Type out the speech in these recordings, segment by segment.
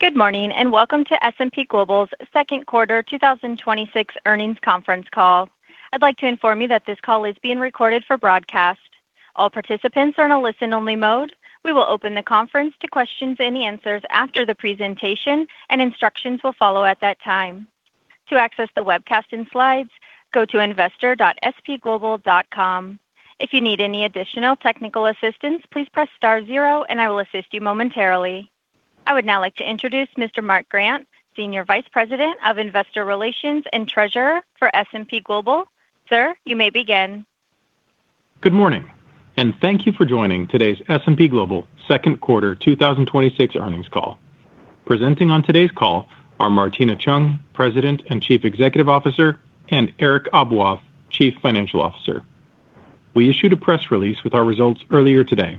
Good morning, and welcome to S&P Global's second quarter 2026 earnings conference call. I'd like to inform you that this call is being recorded for broadcast. All participants are in a listen-only mode. We will open the conference to questions and answers after the presentation, and instructions will follow at that time. To access the webcast and slides, go to investor.spglobal.com. If you need any additional technical assistance, please press star zero and I will assist you momentarily. I would now like to introduce Mr. Mark Grant, Senior Vice President of Investor Relations and Treasurer for S&P Global. Sir, you may begin. Good morning and thank you for joining today's S&P Global second quarter 2026 earnings call. Presenting on today's call are Martina Cheung, President and Chief Executive Officer, and Eric Aboaf, Chief Financial Officer. We issued a press release with our results earlier today.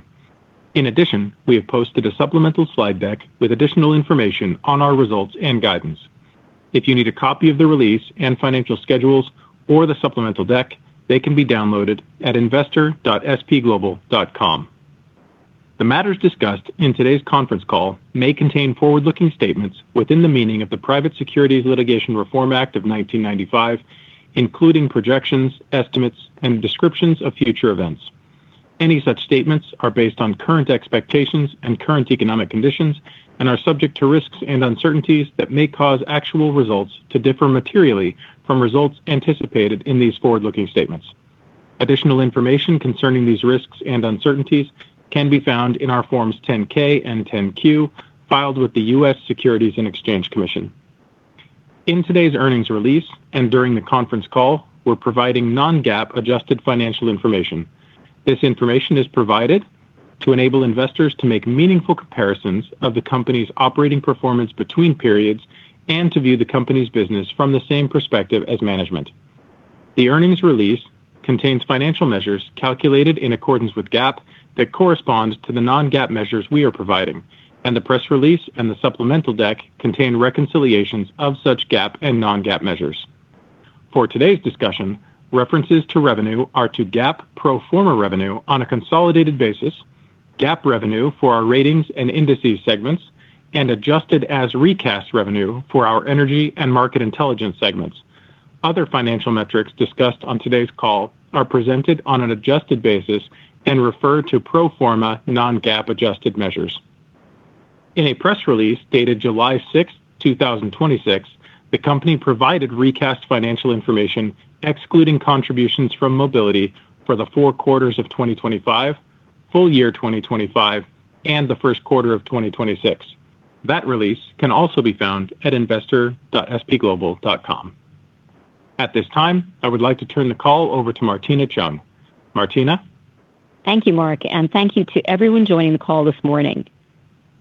In addition, we have posted a supplemental slide deck with additional information on our results and guidance. If you need a copy of the release and financial schedules or the supplemental deck, they can be downloaded at investor.spglobal.com. The matters discussed in today's conference call may contain forward-looking statements within the meaning of the Private Securities Litigation Reform Act of 1995, including projections, estimates, and descriptions of future events. Any such statements are based on current expectations and current economic conditions and are subject to risks and uncertainties that may cause actual results to differ materially from results anticipated in these forward-looking statements. Additional information concerning these risks and uncertainties can be found in our Forms 10-K and 10-Q filed with the U.S. Securities and Exchange Commission. In today's earnings release and during the conference call, we're providing non-GAAP adjusted financial information. This information is provided to enable investors to make meaningful comparisons of the company's operating performance between periods and to view the company's business from the same perspective as management. The earnings release contains financial measures calculated in accordance with GAAP that corresponds to the non-GAAP measures we are providing, and the press release and the supplemental deck contain reconciliations of such GAAP and non-GAAP measures. For today's discussion, references to revenue are to GAAP pro forma revenue on a consolidated basis, GAAP revenue for our ratings and indices segments, and adjusted as recast revenue for our energy and Market Intelligence segments. Other financial metrics discussed on today's call are presented on an adjusted basis and refer to pro forma non-GAAP adjusted measures. In a press release dated July 6th, 2026, the company provided recast financial information excluding contributions from mobility for the four quarters of 2025, full year 2025, and the first quarter of 2026. That release can also be found at investor.spglobal.com. At this time, I would like to turn the call over to Martina Cheung. Martina? Thank you, Mark, and thank you to everyone joining the call this morning.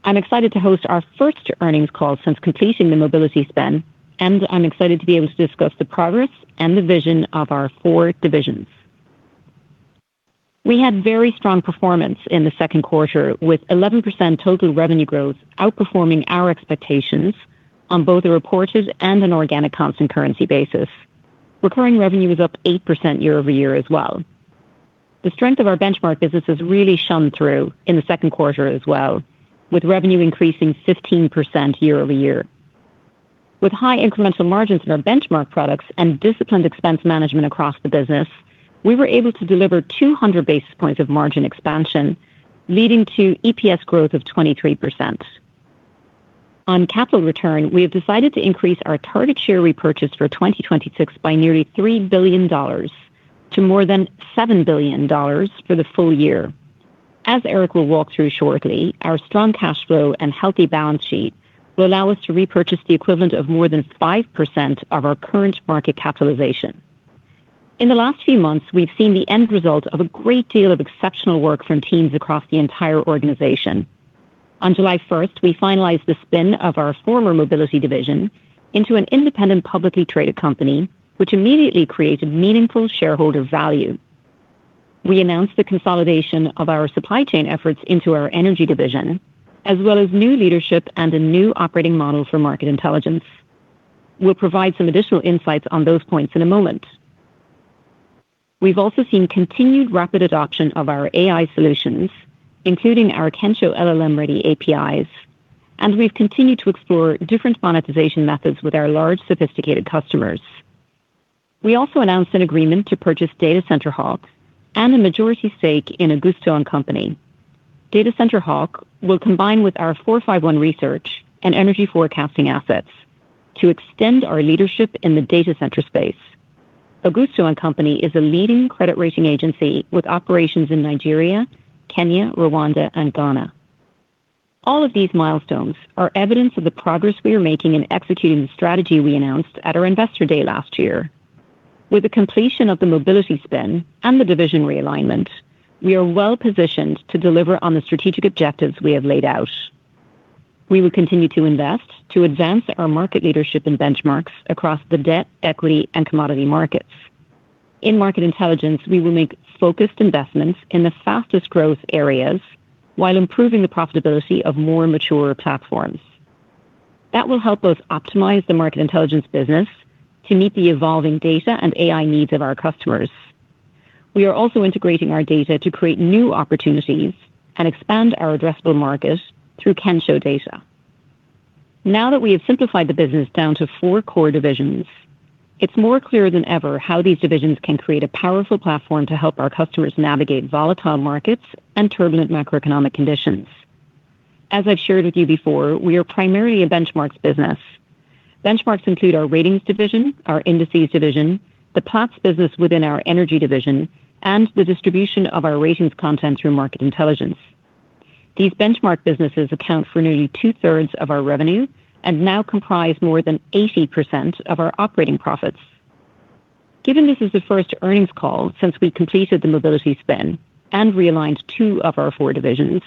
I'm excited to host our first earnings call since completing the Mobility spin, and I'm excited to be able to discuss the progress and the vision of our four divisions. We had very strong performance in the second quarter with 11% total revenue growth outperforming our expectations on both a reported and an organic constant currency basis. Recurring revenue is up 8% year-over-year as well. The strength of our benchmark business has really shone through in the second quarter as well, with revenue increasing 15% year-over-year. With high incremental margins in our benchmark products and disciplined expense management across the business, we were able to deliver 200 basis points of margin expansion, leading to EPS growth of 23%. On capital return, we have decided to increase our target share repurchase for 2026 by nearly $3 billion to more than $7 billion for the full year. As Eric will walk through shortly, our strong cash flow and healthy balance sheet will allow us to repurchase the equivalent of more than 5% of our current market capitalization. In the last few months, we've seen the end result of a great deal of exceptional work from teams across the entire organization. On July 1st, we finalized the spin of our former Mobility division into an independent, publicly traded company, which immediately created meaningful shareholder value. We announced the consolidation of our supply chain efforts into our energy division, as well as new leadership and a new operating model for Market Intelligence. We'll provide some additional insights on those points in a moment. We've also seen continued rapid adoption of our AI solutions, including our Kensho LLM-ready APIs, and we've continued to explore different monetization methods with our large, sophisticated customers. We also announced an agreement to purchase datacenterHawk and a majority stake in Agusto & Co. datacenterHawk will combine with our 451 Research and energy forecasting assets to extend our leadership in the data center space. Agusto & Co. is a leading credit rating agency with operations in Nigeria, Kenya, Rwanda, and Ghana. All of these milestones are evidence of the progress we are making in executing the strategy we announced at our investor day last year. With the completion of the Mobility spin and the division realignment, we are well-positioned to deliver on the strategic objectives we have laid out. We will continue to invest to advance our market leadership and benchmarks across the debt, equity, and commodity markets. In Market Intelligence, we will make focused investments in the fastest growth areas while improving the profitability of more mature platforms. That will help us optimize the Market Intelligence business to meet the evolving data and AI needs of our customers. We are also integrating our data to create new opportunities and expand our addressable market through Kensho Data. Now that we have simplified the business down to four core divisions, it's more clear than ever how these divisions can create a powerful platform to help our customers navigate volatile markets and turbulent macroeconomic conditions. As I've shared with you before, we are primarily a benchmarks business. Benchmarks include our Ratings division, our Indices division, the Platts business within our Energy division, and the distribution of our Ratings content through Market Intelligence. These benchmark businesses account for nearly two-thirds of our revenue and now comprise more than 80% of our operating profits. Given this is the first earnings call since we completed the mobility spin and realigned two of our four divisions,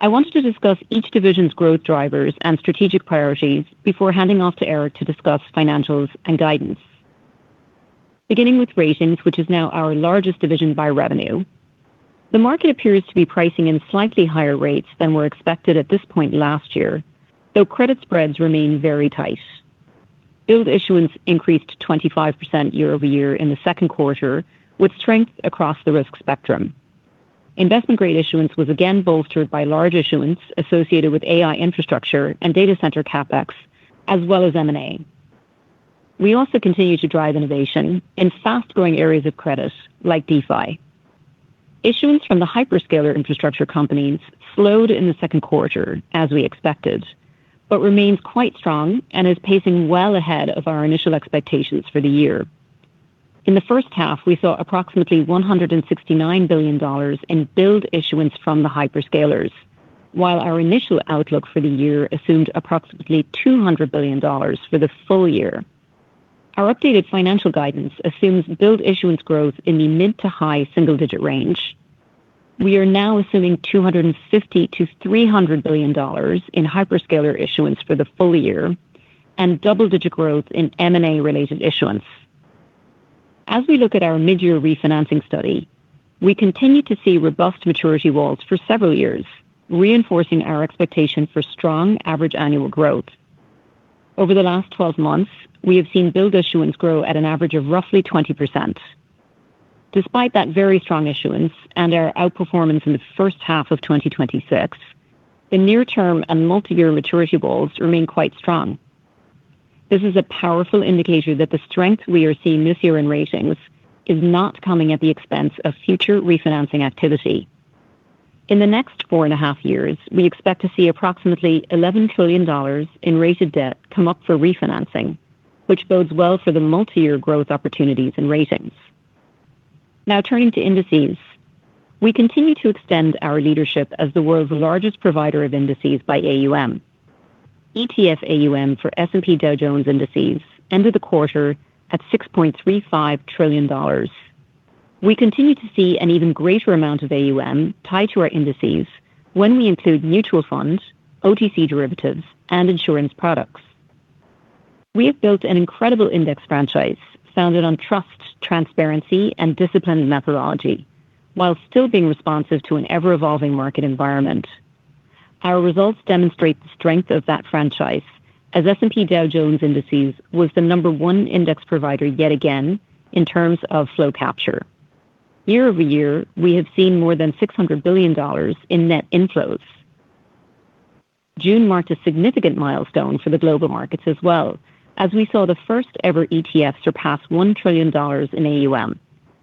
I wanted to discuss each division's growth drivers and strategic priorities before handing off to Eric to discuss financials and guidance. Beginning with Ratings, which is now our largest division by revenue, the market appears to be pricing in slightly higher rates than were expected at this point last year, though credit spreads remain very tight. billed issuance increased to 25% year-over-year in the second quarter, with strength across the risk spectrum. Investment-grade issuance was again bolstered by large issuance associated with AI infrastructure and data center CapEx, as well as M&A. We also continue to drive innovation in fast-growing areas of credit, like DeFi. Issuance from the hyperscaler infrastructure companies slowed in the second quarter, as we expected, but remains quite strong and is pacing well ahead of our initial expectations for the year. In the first half, we saw approximately $169 billion in billed issuance from the hyperscalers, while our initial outlook for the year assumed approximately $200 billion for the full year. Our updated financial guidance assumes billed issuance growth in the mid to high single-digit range. We are now assuming $250 billion-$300 billion in hyperscaler issuance for the full year and double-digit growth in M&A-related issuance. As we look at our mid-year refinancing study, we continue to see robust maturity walls for several years, reinforcing our expectation for strong average annual growth. Over the last 12 months, we have seen billed issuance grow at an average of roughly 20%. Despite that very strong issuance and our outperformance in the first half of 2026, the near term and multi-year maturity goals remain quite strong. This is a powerful indicator that the strength we are seeing this year in Ratings is not coming at the expense of future refinancing activity. In the next four and a half years, we expect to see approximately $11 trillion in rated debt come up for refinancing, which bodes well for the multi-year growth opportunities and Ratings. Now turning to Indices. We continue to extend our leadership as the world's largest provider of indices by AUM. ETF AUM for S&P Dow Jones Indices ended the quarter at $6.35 trillion. We continue to see an even greater amount of AUM tied to our indices when we include mutual funds, OTC derivatives, and insurance products. We have built an incredible index franchise founded on trust, transparency, and disciplined methodology while still being responsive to an ever-evolving market environment. Our results demonstrate the strength of that franchise, as S&P Dow Jones Indices was the number one index provider yet again in terms of flow capture. Year-over-year, we have seen more than $600 billion in net inflows. June marked a significant milestone for the global markets as well, as we saw the first-ever ETF surpass $1 trillion in AUM.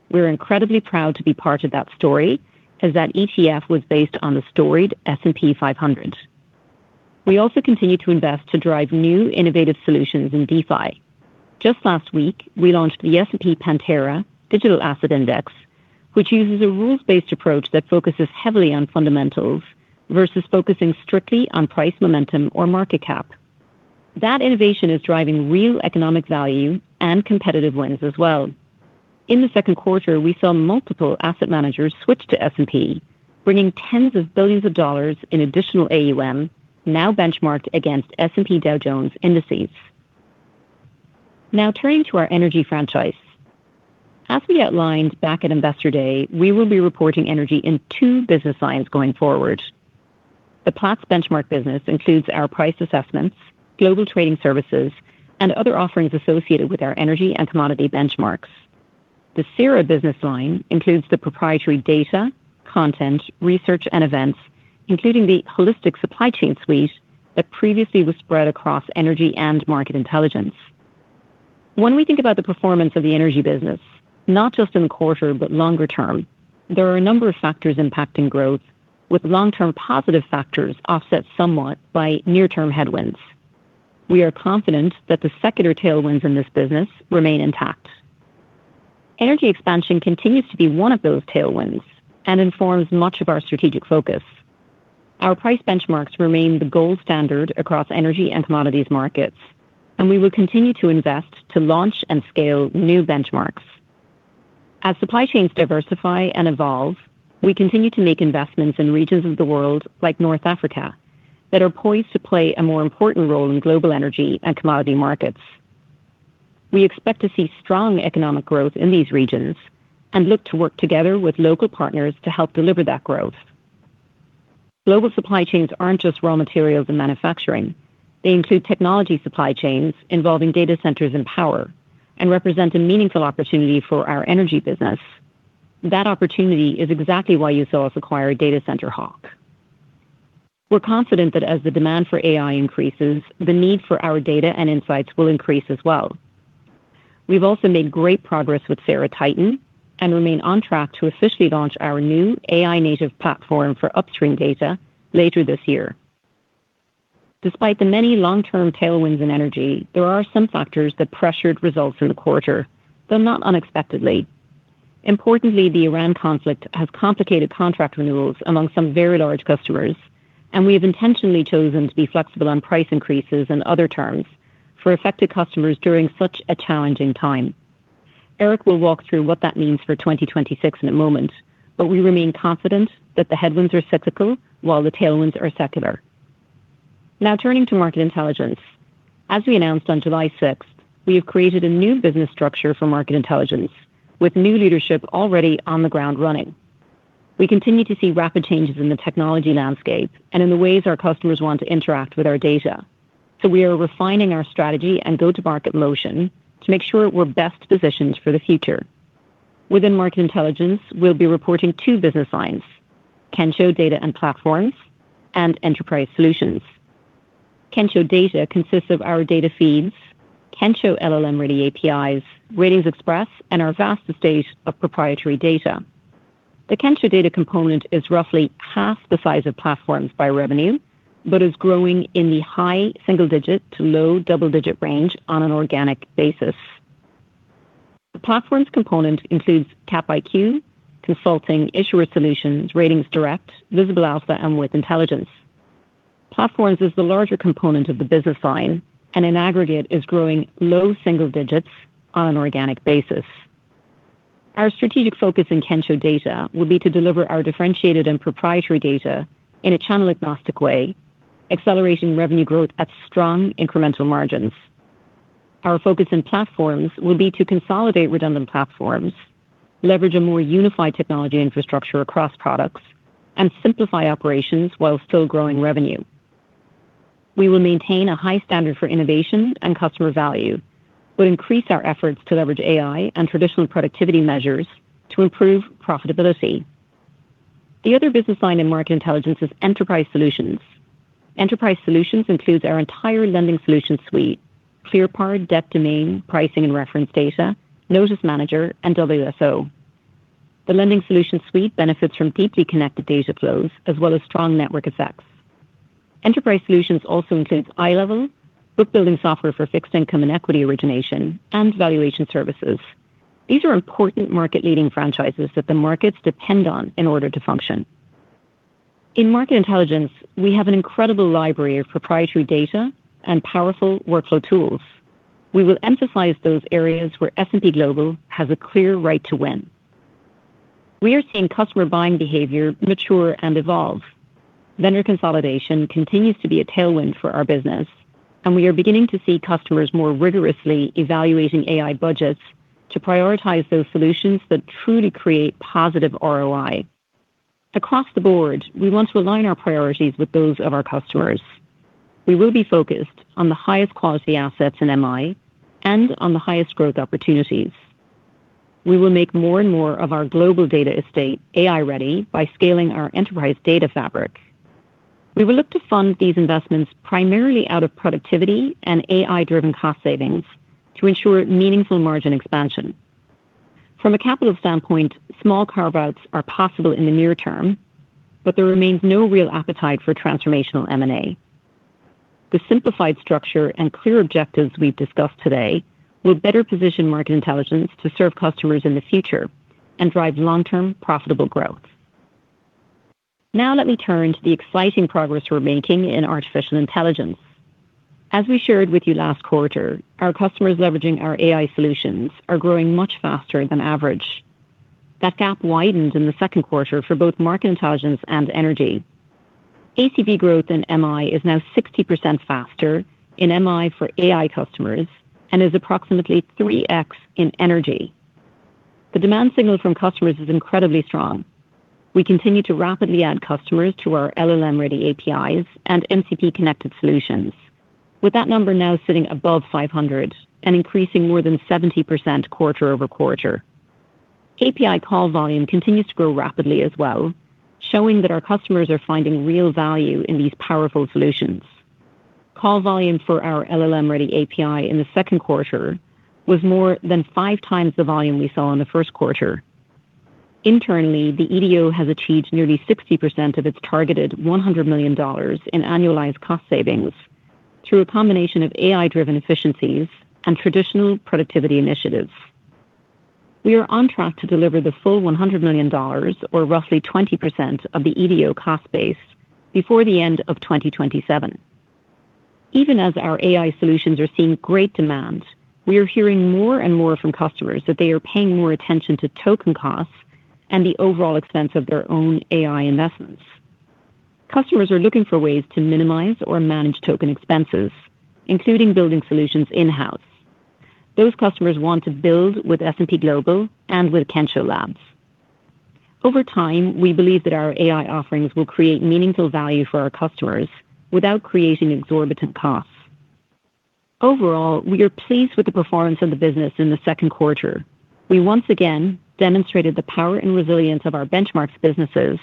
We're incredibly proud to be part of that story, as that ETF was based on the storied S&P 500. We also continue to invest to drive new innovative solutions in DeFi. Just last week, we launched the S&P Pantera Digital Asset Index, which uses a rules-based approach that focuses heavily on fundamentals versus focusing strictly on price momentum or market cap. That innovation is driving real economic value and competitive wins as well. In the second quarter, we saw multiple asset managers switch to S&P, bringing tens of billions of dollars in additional AUM, now benchmarked against S&P Dow Jones Indices. Turning to our Energy franchise. As we outlined back at Investor Day, we will be reporting Energy in two business lines going forward. The Platts benchmark business includes our price assessments, global trading services, and other offerings associated with our energy and commodity benchmarks. The CERA business line includes the proprietary data, content, research, and events, including the holistic supply chain suite that previously was spread across Energy and Market Intelligence. We think about the performance of the Energy business, not just in the quarter but longer term, there are a number of factors impacting growth, with long-term positive factors offset somewhat by near-term headwinds. We are confident that the secular tailwinds in this business remain intact. Energy expansion continues to be one of those tailwinds and informs much of our strategic focus. Our price benchmarks remain the gold standard across energy and commodities markets, and we will continue to invest to launch and scale new benchmarks. As supply chains diversify and evolve, we continue to make investments in regions of the world, like North Africa, that are poised to play a more important role in global energy and commodity markets. We expect to see strong economic growth in these regions and look to work together with local partners to help deliver that growth. Global supply chains aren't just raw materials and manufacturing. They include technology supply chains involving data centers and power and represent a meaningful opportunity for our energy business. That opportunity is exactly why you saw us acquire datacenterHawk. We're confident that as the demand for AI increases, the need for our data and insights will increase as well. We've also made great progress with CERA Titan and remain on track to officially launch our new AI-native platform for upstream data later this year. Despite the many long-term tailwinds in energy, there are some factors that pressured results in the quarter, though not unexpectedly. Importantly, the Iran conflict has complicated contract renewals among some very large customers, and we have intentionally chosen to be flexible on price increases and other terms for affected customers during such a challenging time. Eric will walk through what that means for 2026 in a moment, but we remain confident that the headwinds are cyclical while the tailwinds are secular. Turning to Market Intelligence. We announced on July 6th, we have created a new business structure for Market Intelligence, with new leadership already on the ground running. We continue to see rapid changes in the technology landscape and in the ways our customers want to interact with our data. We are refining our strategy and go-to-market motion to make sure we're best positioned for the future. Within Market Intelligence, we'll be reporting two business lines, Kensho Data and Platforms, and Enterprise Solutions. Kensho Data consists of our data feeds, Kensho LLM-ready APIs, RatingsXpress, and our vast estate of proprietary data. The Kensho Data component is roughly half the size of Platforms by revenue but is growing in the high single digit to low double-digit range on an organic basis. The Platforms component includes CapIQ, Consulting, Issuer Solutions, RatingsDirect, Visible Alpha, and With Intelligence. Platforms is the larger component of the business line and in aggregate is growing low single digits on an organic basis. Our strategic focus in Kensho Data will be to deliver our differentiated and proprietary data in a channel-agnostic way, accelerating revenue growth at strong incremental margins. Our focus in Platforms will be to consolidate redundant platforms, leverage a more unified technology infrastructure across products, and simplify operations while still growing revenue. We will maintain a high standard for innovation and customer value, increase our efforts to leverage AI and traditional productivity measures to improve profitability. The other business line in Market Intelligence is Enterprise Solutions. Enterprise Solutions includes our entire lending solution suite, ClearPar, Debtdomain, Pricing and Reference Data, Notice Manager, and WSO. The lending solution suite benefits from deeply connected data flows as well as strong network effects. Enterprise Solutions also includes iLEVEL, book building software for fixed income and equity origination, and valuation services. These are important market-leading franchises that the markets depend on in order to function. In Market Intelligence, we have an incredible library of proprietary data and powerful workflow tools. We will emphasize those areas where S&P Global has a clear right to win. We are seeing customer buying behavior mature and evolve. Vendor consolidation continues to be a tailwind for our business, we are beginning to see customers more rigorously evaluating AI budgets to prioritize those solutions that truly create positive ROI. Across the board, we want to align our priorities with those of our customers. We will be focused on the highest quality assets in MI and on the highest growth opportunities. We will make more and more of our global data estate AI-ready by scaling our enterprise data fabric. We will look to fund these investments primarily out of productivity and AI-driven cost savings to ensure meaningful margin expansion. From a capital standpoint, small carve-outs are possible in the near term, there remains no real appetite for transformational M&A. The simplified structure and clear objectives we've discussed today will better position Market Intelligence to serve customers in the future and drive long-term profitable growth. Now let me turn to the exciting progress we're making in artificial intelligence. As we shared with you last quarter, our customers leveraging our AI solutions are growing much faster than average. That gap widened in the second quarter for both Market Intelligence and Energy. ACV growth in MI is now 60% faster in MI for AI customers and is approximately 3x in Energy. The demand signal from customers is incredibly strong. We continue to rapidly add customers to our Kensho LLM-ready APIs and MCP connected solutions, with that number now sitting above 500 and increasing more than 70% quarter-over-quarter. API call volume continues to grow rapidly as well, showing that our customers are finding real value in these powerful solutions. Call volume for our Kensho LLM-ready API in the second quarter was more than five times the volume we saw in the first quarter. Internally, the EDO has achieved nearly 60% of its targeted $100 million in annualized cost savings through a combination of AI-driven efficiencies and traditional productivity initiatives. We are on track to deliver the full $100 million, or roughly 20% of the EDO cost base, before the end of 2027. Even as our AI solutions are seeing great demand, we are hearing more and more from customers that they are paying more attention to token costs and the overall expense of their own AI investments. Customers are looking for ways to minimize or manage token expenses, including building solutions in-house. Those customers want to build with S&P Global and with Kensho Labs. Over time, we believe that our AI offerings will create meaningful value for our customers without creating exorbitant costs. Overall, we are pleased with the performance of the business in the second quarter. We once again demonstrated the power and resilience of our benchmarks businesses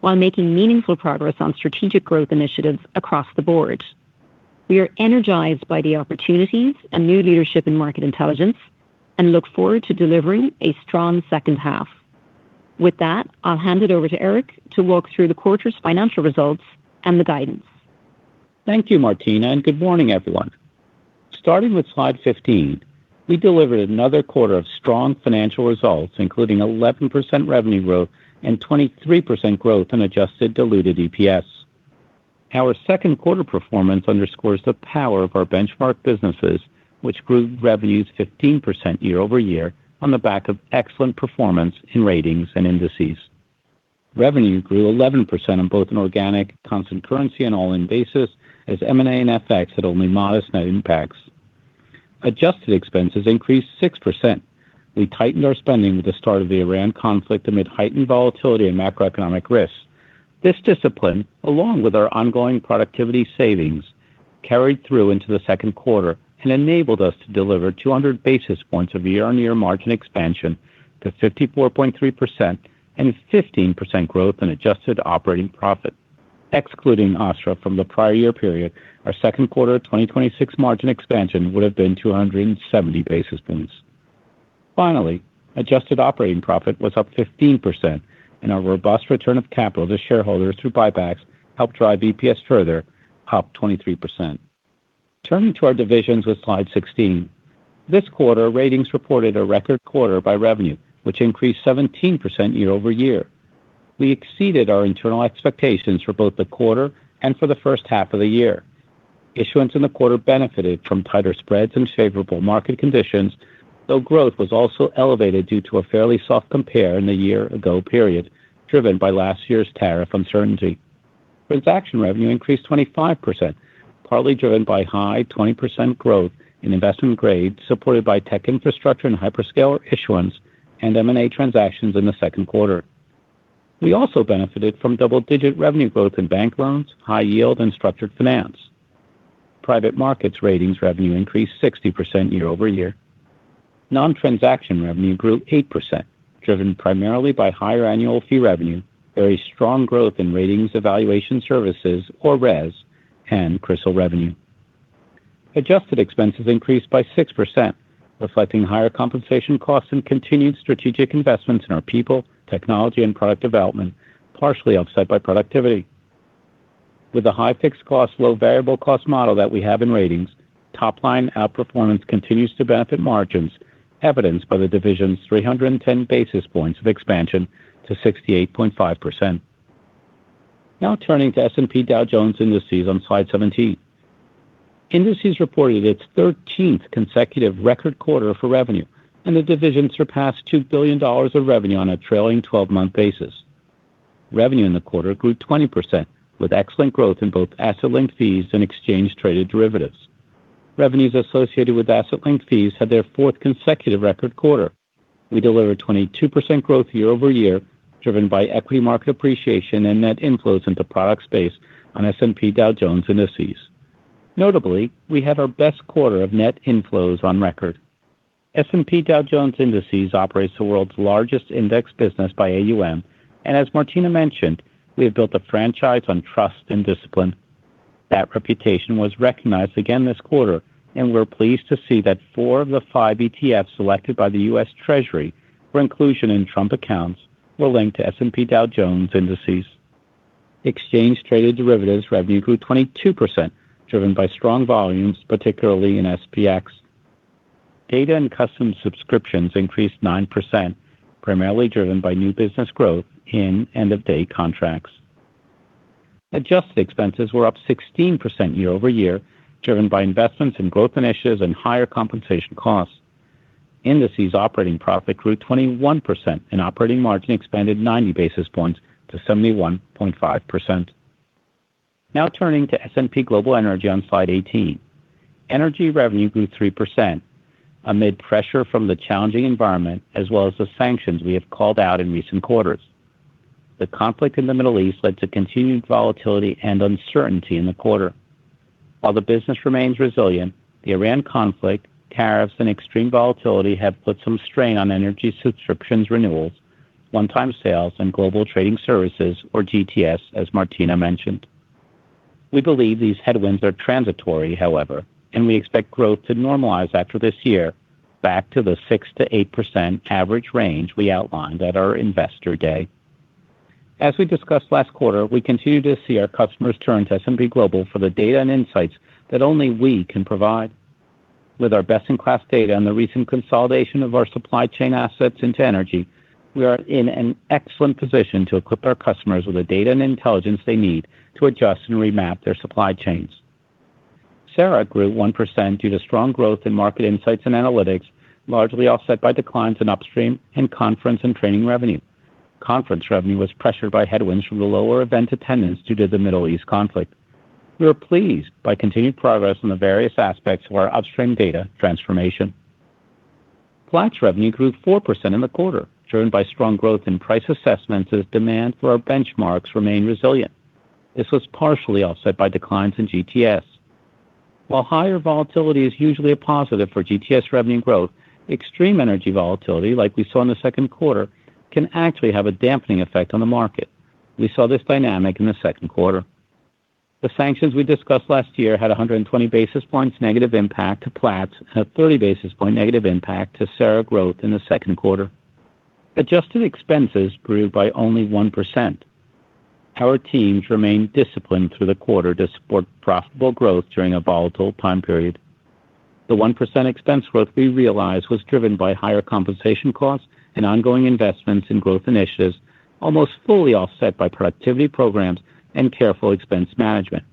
while making meaningful progress on strategic growth initiatives across the board. We are energized by the opportunities and new leadership in market intelligence and look forward to delivering a strong second half. With that, I'll hand it over to Eric to walk through the quarter's financial results and the guidance. Thank you, Martina, and good morning, everyone. Starting with Slide 15, we delivered another quarter of strong financial results, including 11% revenue growth and 23% growth in adjusted diluted EPS. Our second quarter performance underscores the power of our benchmark businesses, which grew revenues 15% year over year on the back of excellent performance in Ratings and Indices. Revenue grew 11% on both an organic, constant currency, and all-in basis as M&A and FX had only modest net impacts. Adjusted expenses increased 6%. We tightened our spending with the start of the Iran conflict amid heightened volatility and macroeconomic risks. This discipline, along with our ongoing productivity savings, carried through into the second quarter and enabled us to deliver 200 basis points of year-on-year margin expansion to 54.3% and a 15% growth in adjusted operating profit. Excluding OSTTRA from the prior year period, our second quarter of 2026 margin expansion would have been 270 basis points. Finally, adjusted operating profit was up 15%, and our robust return of capital to shareholders through buybacks helped drive EPS further, up 23%. Turning to our divisions with Slide 16. This quarter, Ratings reported a record quarter by revenue, which increased 17% year over year. We exceeded our internal expectations for both the quarter and for the first half of the year. Issuance in the quarter benefited from tighter spreads and favorable market conditions, though growth was also elevated due to a fairly soft compare in the year-ago period, driven by last year's tariff uncertainty. Transaction revenue increased 25%, partly driven by high 20% growth in investment grade, supported by tech infrastructure and hyperscaler issuance and M&A transactions in the second quarter. We also benefited from double-digit revenue growth in bank loans, high yield, and structured finance. Private markets Ratings revenue increased 60% year-over-year. Non-transaction revenue grew 8%, driven primarily by higher annual fee revenue, very strong growth in Ratings Evaluation Services, or RES, and CRISIL revenue. Adjusted expenses increased by 6%, reflecting higher compensation costs and continued strategic investments in our people, technology, and product development, partially offset by productivity. With the high fixed cost, low variable cost model that we have in Ratings, top-line outperformance continues to benefit margins, evidenced by the division's 310 basis points of expansion to 68.5%. Turning to S&P Dow Jones Indices on Slide 17. Indices reported its 13th consecutive record quarter for revenue, and the division surpassed $2 billion of revenue on a trailing 12-month basis. Revenue in the quarter grew 20%, with excellent growth in both asset link fees and exchange traded derivatives. Revenues associated with asset link fees had their fourth consecutive record quarter. We delivered 22% growth year-over-year, driven by equity market appreciation and net inflows into product space on S&P Dow Jones Indices. Notably, we had our best quarter of net inflows on record. S&P Dow Jones Indices operates the world's largest index business by AUM, and as Martina mentioned, we have built a franchise on trust and discipline. That reputation was recognized again this quarter, and we are pleased to see that four of the five ETFs selected by the U.S. Treasury for inclusion in Thrift accounts were linked to S&P Dow Jones Indices. Exchange traded derivatives revenue grew 22%, driven by strong volumes, particularly in SPX. Data and custom subscriptions increased 9%, primarily driven by new business growth in end-of-day contracts. Adjusted expenses were up 16% year-over-year, driven by investments in growth initiatives and higher compensation costs. Indices operating profit grew 21%, and operating margin expanded 90 basis points to 71.5%. Turning to S&P Global Energy on Slide 18. Energy revenue grew 3% amid pressure from the challenging environment as well as the sanctions we have called out in recent quarters. The conflict in the Middle East led to continued volatility and uncertainty in the quarter. While the business remains resilient, the Iran conflict, tariffs, and extreme volatility have put some strain on energy subscriptions renewals, one-time sales, and Global Trading Services, or GTS, as Martina mentioned. We believe these headwinds are transitory, however. We expect growth to normalize after this year back to the 6%-8% average range we outlined at our Investor Day. As we discussed last quarter, we continue to see our customers turn to S&P Global for the data and insights that only we can provide. With our best-in-class data and the recent consolidation of our supply chain assets into energy, we are in an excellent position to equip our customers with the data and intelligence they need to adjust and remap their supply chains. CERA grew 1% due to strong growth in Market Insights and Analytics, largely offset by declines in upstream and conference and training revenue. Conference revenue was pressured by headwinds from the lower event attendance due to the Middle East conflict. We are pleased by continued progress on the various aspects of our upstream data transformation. Platts revenue grew 4% in the quarter, driven by strong growth in price assessments as demand for our benchmarks remained resilient. This was partially offset by declines in GTS. While higher volatility is usually a positive for GTS revenue growth, extreme energy volatility like we saw in the second quarter can actually have a dampening effect on the market. We saw this dynamic in the second quarter. The sanctions we discussed last year had 120 basis points negative impact to Platts and a 30 basis point negative impact to CERA growth in the second quarter. Adjusted expenses grew by only 1%. Our teams remained disciplined through the quarter to support profitable growth during a volatile time period. The 1% expense growth we realized was driven by higher compensation costs and ongoing investments in growth initiatives almost fully offset by productivity programs and careful expense management.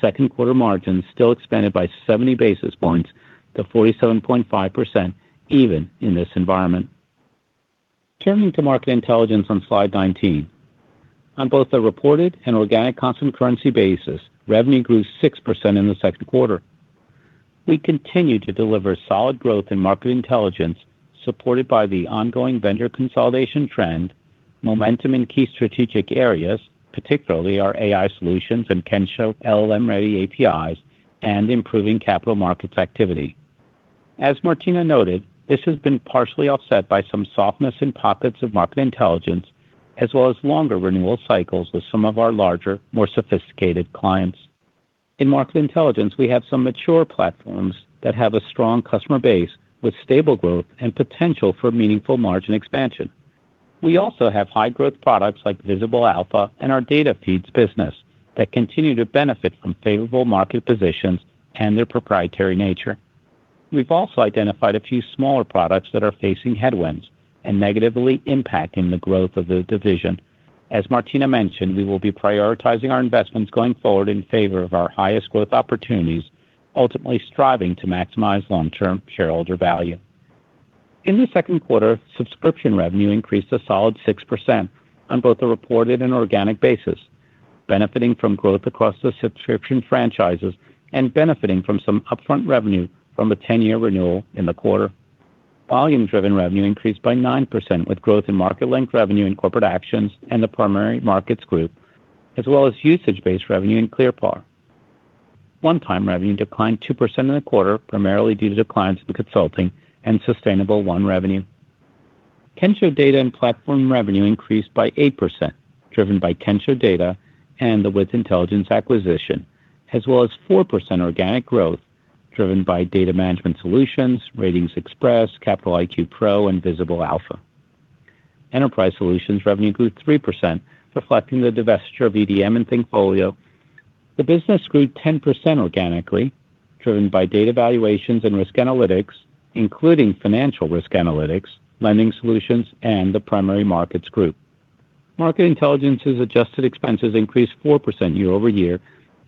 Second quarter margins still expanded by 70 basis points to 47.5% even in this environment. Turning to Market Intelligence on Slide 19. On both a reported and organic constant currency basis, revenue grew 6% in the second quarter. We continue to deliver solid growth in Market Intelligence, supported by the ongoing vendor consolidation trend, momentum in key strategic areas, particularly our AI solutions and Kensho LLM-ready APIs, and improving capital markets activity. As Martina noted, this has been partially offset by some softness in pockets of Market Intelligence, as well as longer renewal cycles with some of our larger, more sophisticated clients. In Market Intelligence, we have some mature platforms that have a strong customer base with stable growth and potential for meaningful margin expansion. We also have high growth products like Visible Alpha and our data feeds business that continue to benefit from favorable market positions and their proprietary nature. We've also identified a few smaller products that are facing headwinds and negatively impacting the growth of the division. As Martina mentioned, we will be prioritizing our investments going forward in favor of our highest growth opportunities, ultimately striving to maximize long-term shareholder value. In the second quarter, subscription revenue increased a solid 6% on both a reported and organic basis, benefiting from growth across the subscription franchises and benefiting from some upfront revenue from a 10-year renewal in the quarter. Volume-driven revenue increased by 9%, with growth in Market Length Revenue in Corporate Actions and the Primary Markets Group, as well as usage-based revenue in ClearPar. One-time revenue declined 2% in the quarter, primarily due to declines in consulting and Sustainable1 revenue. Kensho Data and Platform revenue increased by 8%, driven by Kensho Data and the With Intelligence acquisition, as well as 4% organic growth driven by data management solutions, RatingsXpress, Capital IQ Pro, and Visible Alpha. Enterprise Solutions revenue grew 3%, reflecting the divestiture of EDM and thinkFolio. The business grew 10% organically, driven by data valuations and risk analytics, including financial risk analytics, lending solutions, and the Primary Markets Group. Market Intelligence's adjusted expenses increased 4% year-over-year,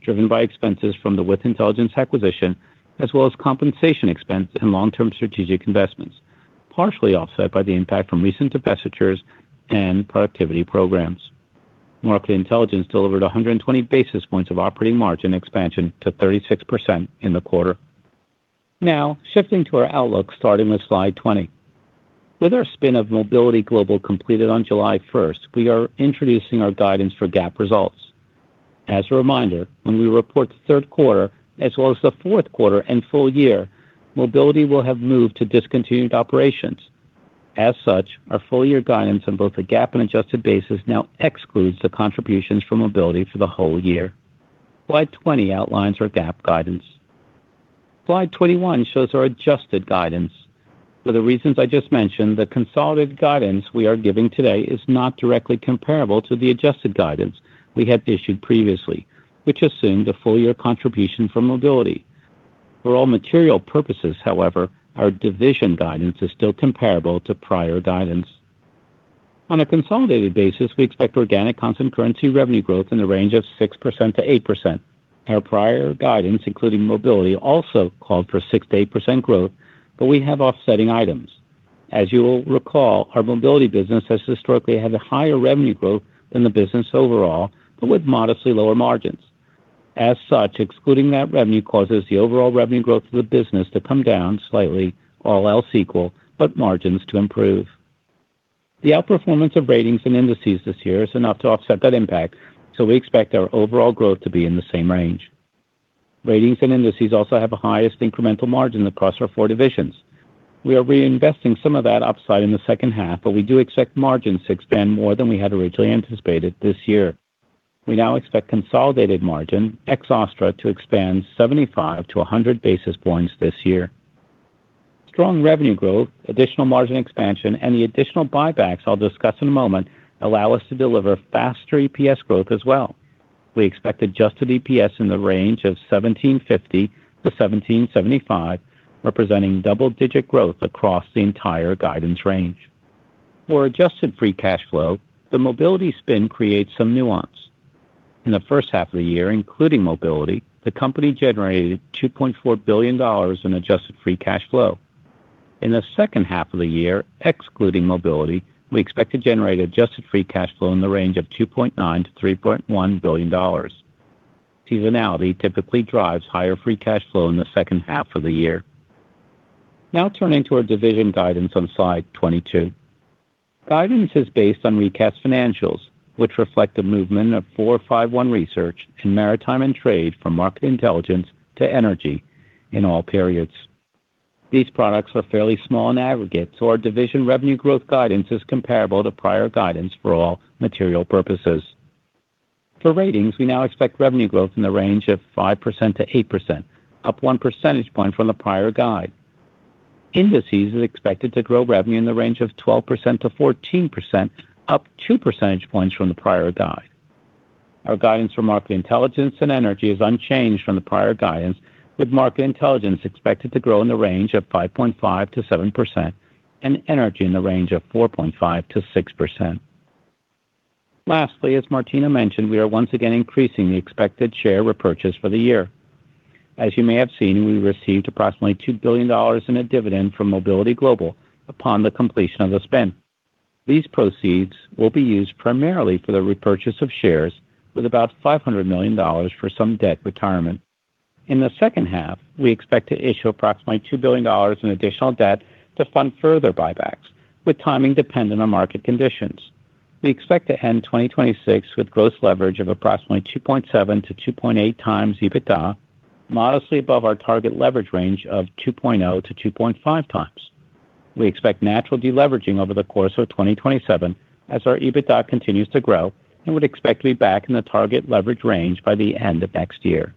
driven by expenses from the With Intelligence acquisition, as well as compensation expense and long-term strategic investments, partially offset by the impact from recent divestitures and productivity programs. Market Intelligence delivered 120 basis points of operating margin expansion to 36% in the quarter. Shifting to our outlook, starting with Slide 20. With our spin of Mobility Global completed on July 1st, we are introducing our guidance for GAAP results. As a reminder, when we report the third quarter as well as the fourth quarter and full year, Mobility will have moved to discontinued operations. As such, our full-year guidance on both a GAAP and adjusted basis now exclude the contributions from Mobility for the whole year. Slide 20 outlines our GAAP guidance. Slide 21 shows our adjusted guidance. For the reasons I just mentioned, the consolidated guidance we are giving today is not directly comparable to the adjusted guidance we had issued previously, which assumed a full-year contribution from Mobility. For all material purposes, however, our division guidance is still comparable to prior guidance. On a consolidated basis, we expect organic constant currency revenue growth in the range of 6%-8%. Our prior guidance, including Mobility, also called for 6%-8% growth, but we have offsetting items. As you will recall, our Mobility business has historically had a higher revenue growth than the business overall, but with modestly lower margins. As such, excluding that revenue causes the overall revenue growth of the business to come down slightly, all else equal, but margins to improve. The outperformance of Ratings and Indices this year is enough to offset that impact, so we expect our overall growth to be in the same range. Ratings and Indices also have the highest incremental margin across our four divisions. We are reinvesting some of that upside in the second half, but we do expect margins to expand more than we had originally anticipated this year. We now expect consolidated margin ex OSTTRA to expand 75-100 basis points this year. Strong revenue growth, additional margin expansion, and the additional buybacks I'll discuss in a moment allow us to deliver faster EPS growth as well. We expect adjusted EPS in the range of $17.50-$17.75, representing double-digit growth across the entire guidance range. For adjusted free cash flow, the Mobility spin creates some nuance. In the first half of the year, including Mobility, the company generated $2.4 billion in adjusted free cash flow. In the second half of the year, excluding Mobility, we expect to generate adjusted free cash flow in the range of $2.9 billion-$3.1 billion. Seasonality typically drives higher free cash flow in the second half of the year. Now turning to our division guidance on Slide 22. Guidance is based on recast financials, which reflect the movement of 451 Research in maritime and trade from Market Intelligence to Energy in all periods. These products are fairly small in aggregate, so our division revenue growth guidance is comparable to prior guidance for all material purposes. For Ratings, we now expect revenue growth in the range of 5%-8%, up one percentage point from the prior guide. Indices is expected to grow revenue in the range of 12%-14%, up two percentage points from the prior guide. Our guidance for Market Intelligence and Energy is unchanged from the prior guidance, with Market Intelligence expected to grow in the range of 5.5%-7% and Energy in the range of 4.5%-6%. Lastly, as Martina mentioned, we are once again increasing the expected share repurchase for the year. As you may have seen, we received approximately $2 billion in a dividend from Mobility Global upon the completion of the spin. These proceeds will be used primarily for the repurchase of shares with $500 million for some debt retirement. In the second half, we expect to issue $2 billion in additional debt to fund further buybacks, with timing dependent on market conditions. We expect to end 2026 with gross leverage of 2.7x-2.8x EBITDA, modestly above our target leverage range of 2.0x-2.5x. We expect natural deleveraging over the course of 2027 as our EBITDA continues to grow and would expect to be back in the target leverage range by the end of next year.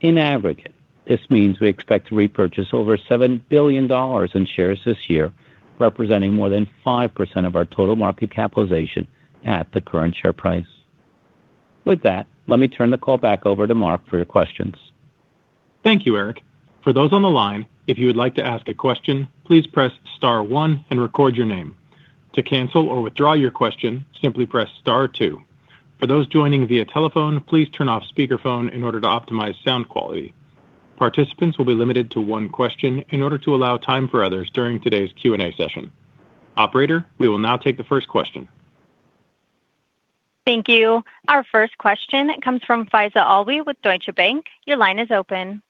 In aggregate, this means we expect to repurchase $7 billion in shares this year, representing more than 5% of our total market capitalization at the current share price. With that, let me turn the call back over to Mark for your questions. Thank you, Eric. For those on the line, if you would like to ask a question, please press star one and record your name. To cancel or withdraw your question, simply press star two. For those joining via telephone, please turn off speakerphone in order to optimize sound quality. Participants will be limited to one question in order to allow time for others during today's Q&A session. Operator, we will now take the first question. Thank you. Our first question comes from Faiza Alwy with Deutsche Bank. Your line is open.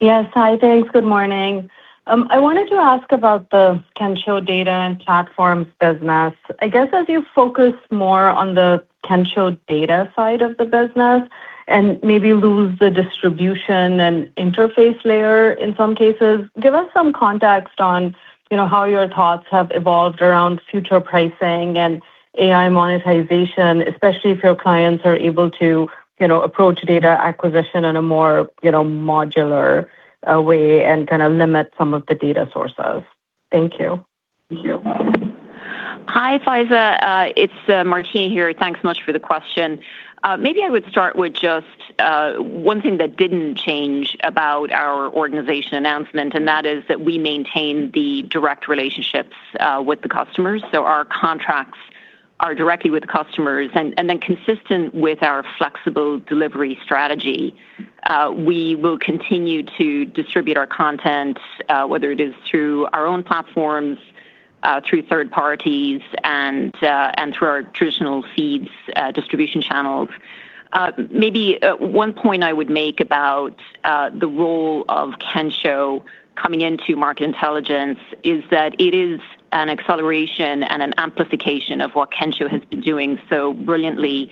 Yes. Hi, thanks. Good morning. I wanted to ask about the Kensho Data and platforms business. I guess as you focus more on the Kensho Data side of the business and maybe lose the distribution and interface layer in some cases, give us some context on how your thoughts have evolved around future pricing and AI monetization, especially if your clients are able to approach data acquisition in a more modular way and kind of limit some of the data sources. Thank you. Hi, Faiza. It's Martina here. Thanks so much for the question. I would start with just one thing that didn't change about our organization announcement, that is that we maintain the direct relationships with the customers. Our contracts are directly with the customers. Then consistent with our flexible delivery strategy, we will continue to distribute our content, whether it is through our own platforms, through third parties, and through our traditional feeds distribution channels. One point I would make about the role of Kensho coming into Market Intelligence is that it is an acceleration and an amplification of what Kensho has been doing so brilliantly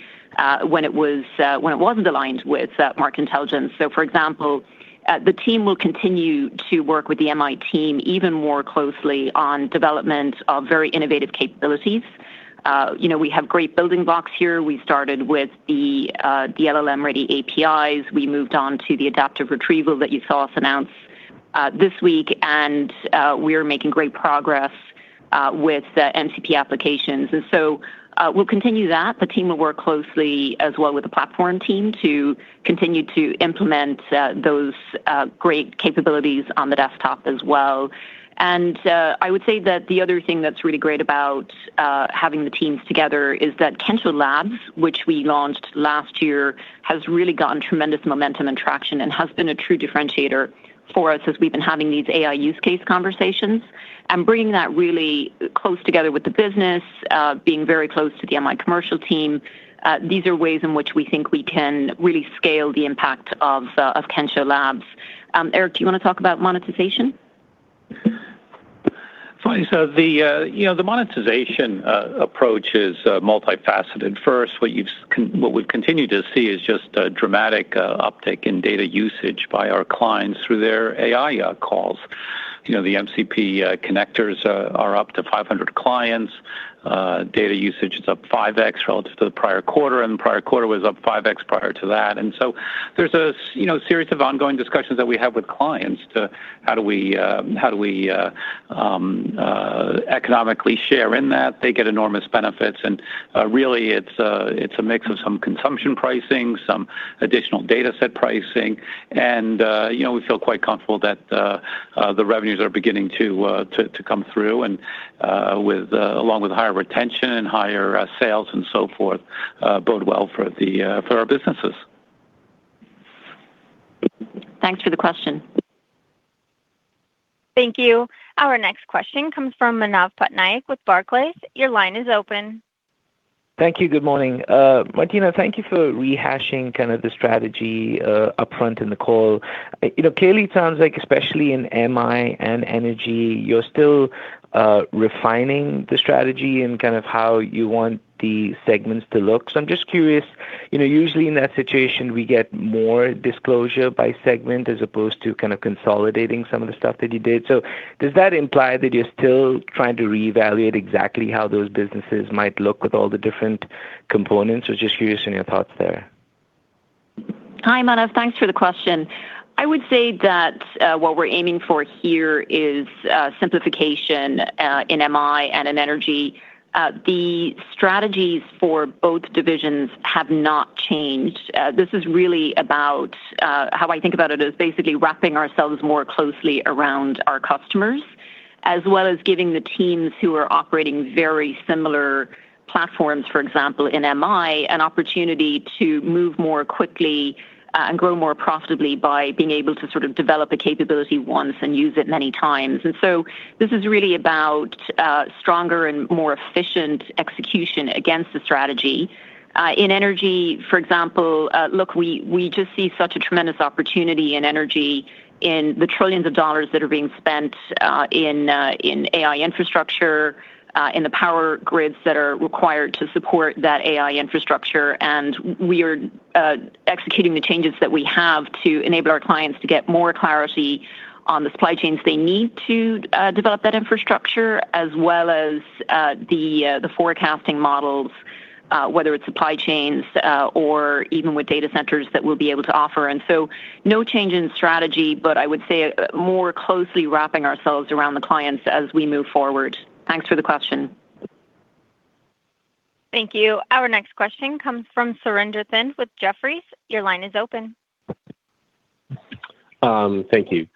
when it wasn't aligned with Market Intelligence. For example, the team will continue to work with the MI team even more closely on development of very innovative capabilities. We have great building blocks here. We started with the Kensho LLM-ready API. We moved on to the adaptive retrieval that you saw us announce this week, and we are making great progress with MCP applications. We'll continue that. The team will work closely as well with the platform team to continue to implement those great capabilities on the desktop as well. I would say that the other thing that's really great about having the teams together is that Kensho Labs, which we launched last year, has really gotten tremendous momentum and traction and has been a true differentiator for us as we've been having these AI use case conversations. Bringing that really close together with the business, being very close to the MI commercial team, these are ways in which we think we can really scale the impact of Kensho Labs. Eric, do you want to talk about monetization? Faiza, the monetization approach is multifaceted. First, what we've continued to see is just a dramatic uptick in data usage by our clients through their AI calls. The MCP connectors are up to 500 clients. Data usage is up 5x relative to the prior quarter, and the prior quarter was up 5x prior to that. There's a series of ongoing discussions that we have with clients to how do we economically share in that. They get enormous benefits. Really, it's a mix of some consumption pricing, some additional data set pricing, and we feel quite comfortable that The revenues are beginning to come through, along with higher retention and higher sales and so forth, bode well for our businesses. Thanks for the question. Thank you. Our next question comes from Manav Patnaik with Barclays. Your line is open. Thank you. Good morning. Martina, thank you for rehashing the strategy upfront in the call. Clearly, it sounds like, especially in MI and Energy, you're still refining the strategy and how you want the segments to look. I'm just curious, usually in that situation, we get more disclosure by segment as opposed to consolidating some of the stuff that you did. Does that imply that you're still trying to reevaluate exactly how those businesses might look with all the different components? Or just curious on your thoughts there. Hi, Manav. Thanks for the question. I would say that what we're aiming for here is simplification in MI and in Energy. The strategies for both divisions have not changed. How I think about it is basically wrapping ourselves more closely around our customers, as well as giving the teams who are operating very similar platforms, for example, in MI, an opportunity to move more quickly and grow more profitably by being able to develop a capability once and use it many times. This is really about stronger and more efficient execution against the strategy. In Energy, for example, look, we just see such a tremendous opportunity in Energy in the $ trillions that are being spent in AI infrastructure, in the power grids that are required to support that AI infrastructure. We are executing the changes that we have to enable our clients to get more clarity on the supply chains they need to develop that infrastructure, as well as the forecasting models, whether it's supply chains or even with data centers that we'll be able to offer. No change in strategy, but I would say more closely wrapping ourselves around the clients as we move forward. Thanks for the question. Thank you. Our next question comes from Surinder Thind with Jefferies. Your line is open. Thank you.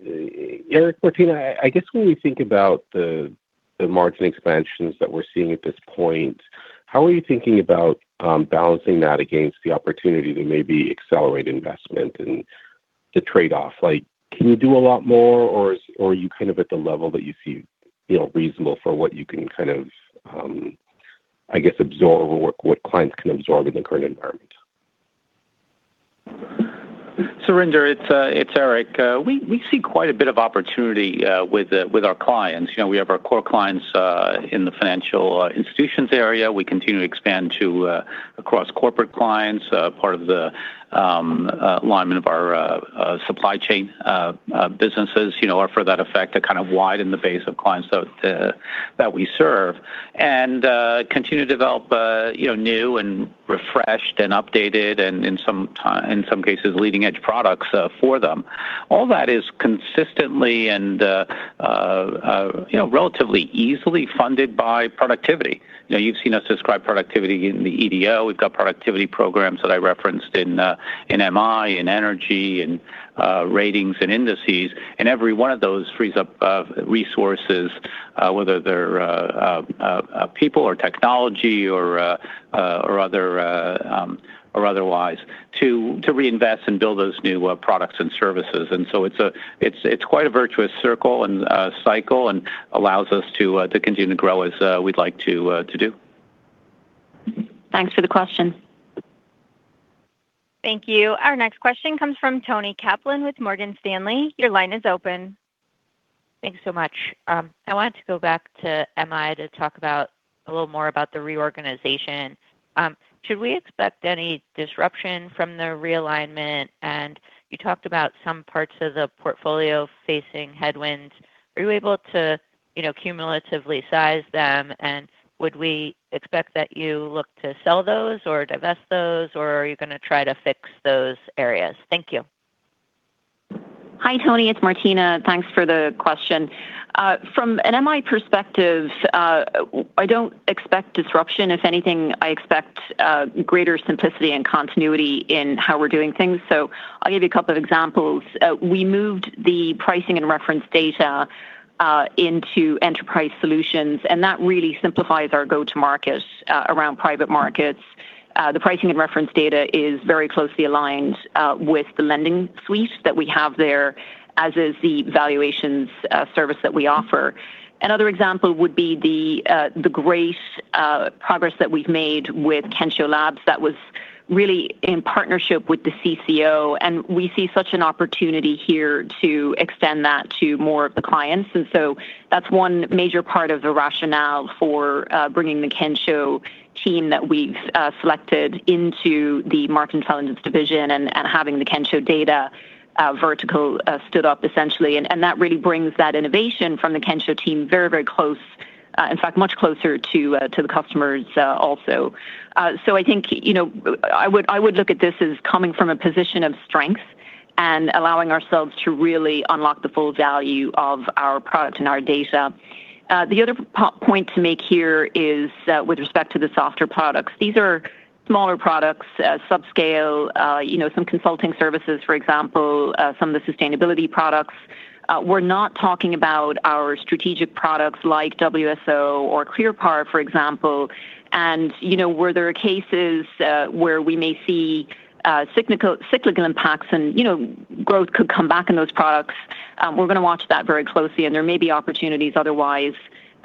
Eric, Martina, I guess when we think about the margin expansions that we're seeing at this point, how are you thinking about balancing that against the opportunity to maybe accelerate investment and the trade-off? Can you do a lot more, or are you at the level that you see reasonable for what you can, I guess, absorb or what clients can absorb in the current environment? Surinder, it's Eric. We see quite a bit of opportunity with our clients. We have our core clients in the financial institutions area. We continue to expand across corporate clients. Part of the alignment of our supply chain businesses are for that effect, to kind of widen the base of clients that we serve, and continue to develop new and refreshed, and updated, and in some cases, leading-edge products for them. All that is consistently and relatively easily funded by productivity. You've seen us describe productivity in the EDO. We've got productivity programs that I referenced in MI, in Energy, in ratings and indices, and every one of those frees up resources, whether they're people or technology or otherwise, to reinvest and build those new products and services. It's quite a virtuous cycle and allows us to continue to grow as we'd like to do. Thanks for the question. Thank you. Our next question comes from Toni Kaplan with Morgan Stanley. Your line is open. Thanks so much. I wanted to go back to MI to talk a little more about the reorganization. Should we expect any disruption from the realignment? You talked about some parts of the portfolio facing headwinds. Are you able to cumulatively size them? Would we expect that you look to sell those or divest those, or are you going to try to fix those areas? Thank you. Hi, Toni. It's Martina. Thanks for the question. From an MI perspective, I don't expect disruption. If anything, I expect greater simplicity and continuity in how we're doing things. I'll give you a couple of examples. We moved the pricing and reference data into enterprise solutions. That really simplifies our go-to-market around private markets. The pricing and reference data is very closely aligned with the lending suite that we have there, as is the valuations service that we offer. Another example would be the great progress that we've made with Kensho Labs that was really in partnership with the CCO. We see such an opportunity here to extend that to more of the clients. That's one major part of the rationale for bringing the Kensho team that we've selected into the Market Intelligence Division and having the Kensho Data vertical stood up, essentially. That really brings that innovation from the Kensho team very close, in fact, much closer to the customers, also. I think I would look at this as coming from a position of strength and allowing ourselves to really unlock the full value of our product and our data. The other point to make here is with respect to the softer products. These are smaller products, subscale, some consulting services, for example, some of the sustainability products. We're not talking about our strategic products like WSO or ClearPar, for example. Where there are cases where we may see cyclical impacts and growth could come back in those products, we're going to watch that very closely. There may be opportunities otherwise,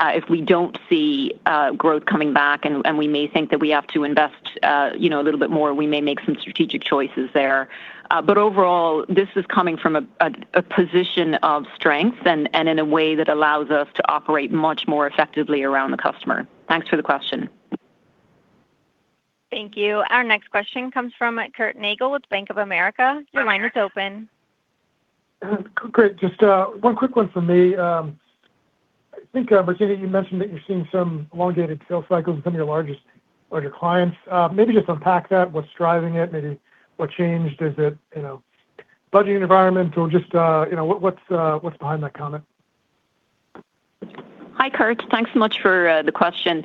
if we don't see growth coming back, and we may think that we have to invest a little bit more, we may make some strategic choices there. But overall, this is coming from a position of strength and in a way that allows us to operate much more effectively around the customer. Thanks for the question. Thank you. Our next question comes from Curt Nagle with Bank of America. Your line is open. Great. Just one quick one from me. I think, Martina, you mentioned that you're seeing some elongated sales cycles with some of your larger clients. Maybe just unpack that. What's driving it? Maybe what changed? Is it budgeting environment, or just what's behind that comment? Hi, Curt. Thanks so much for the question.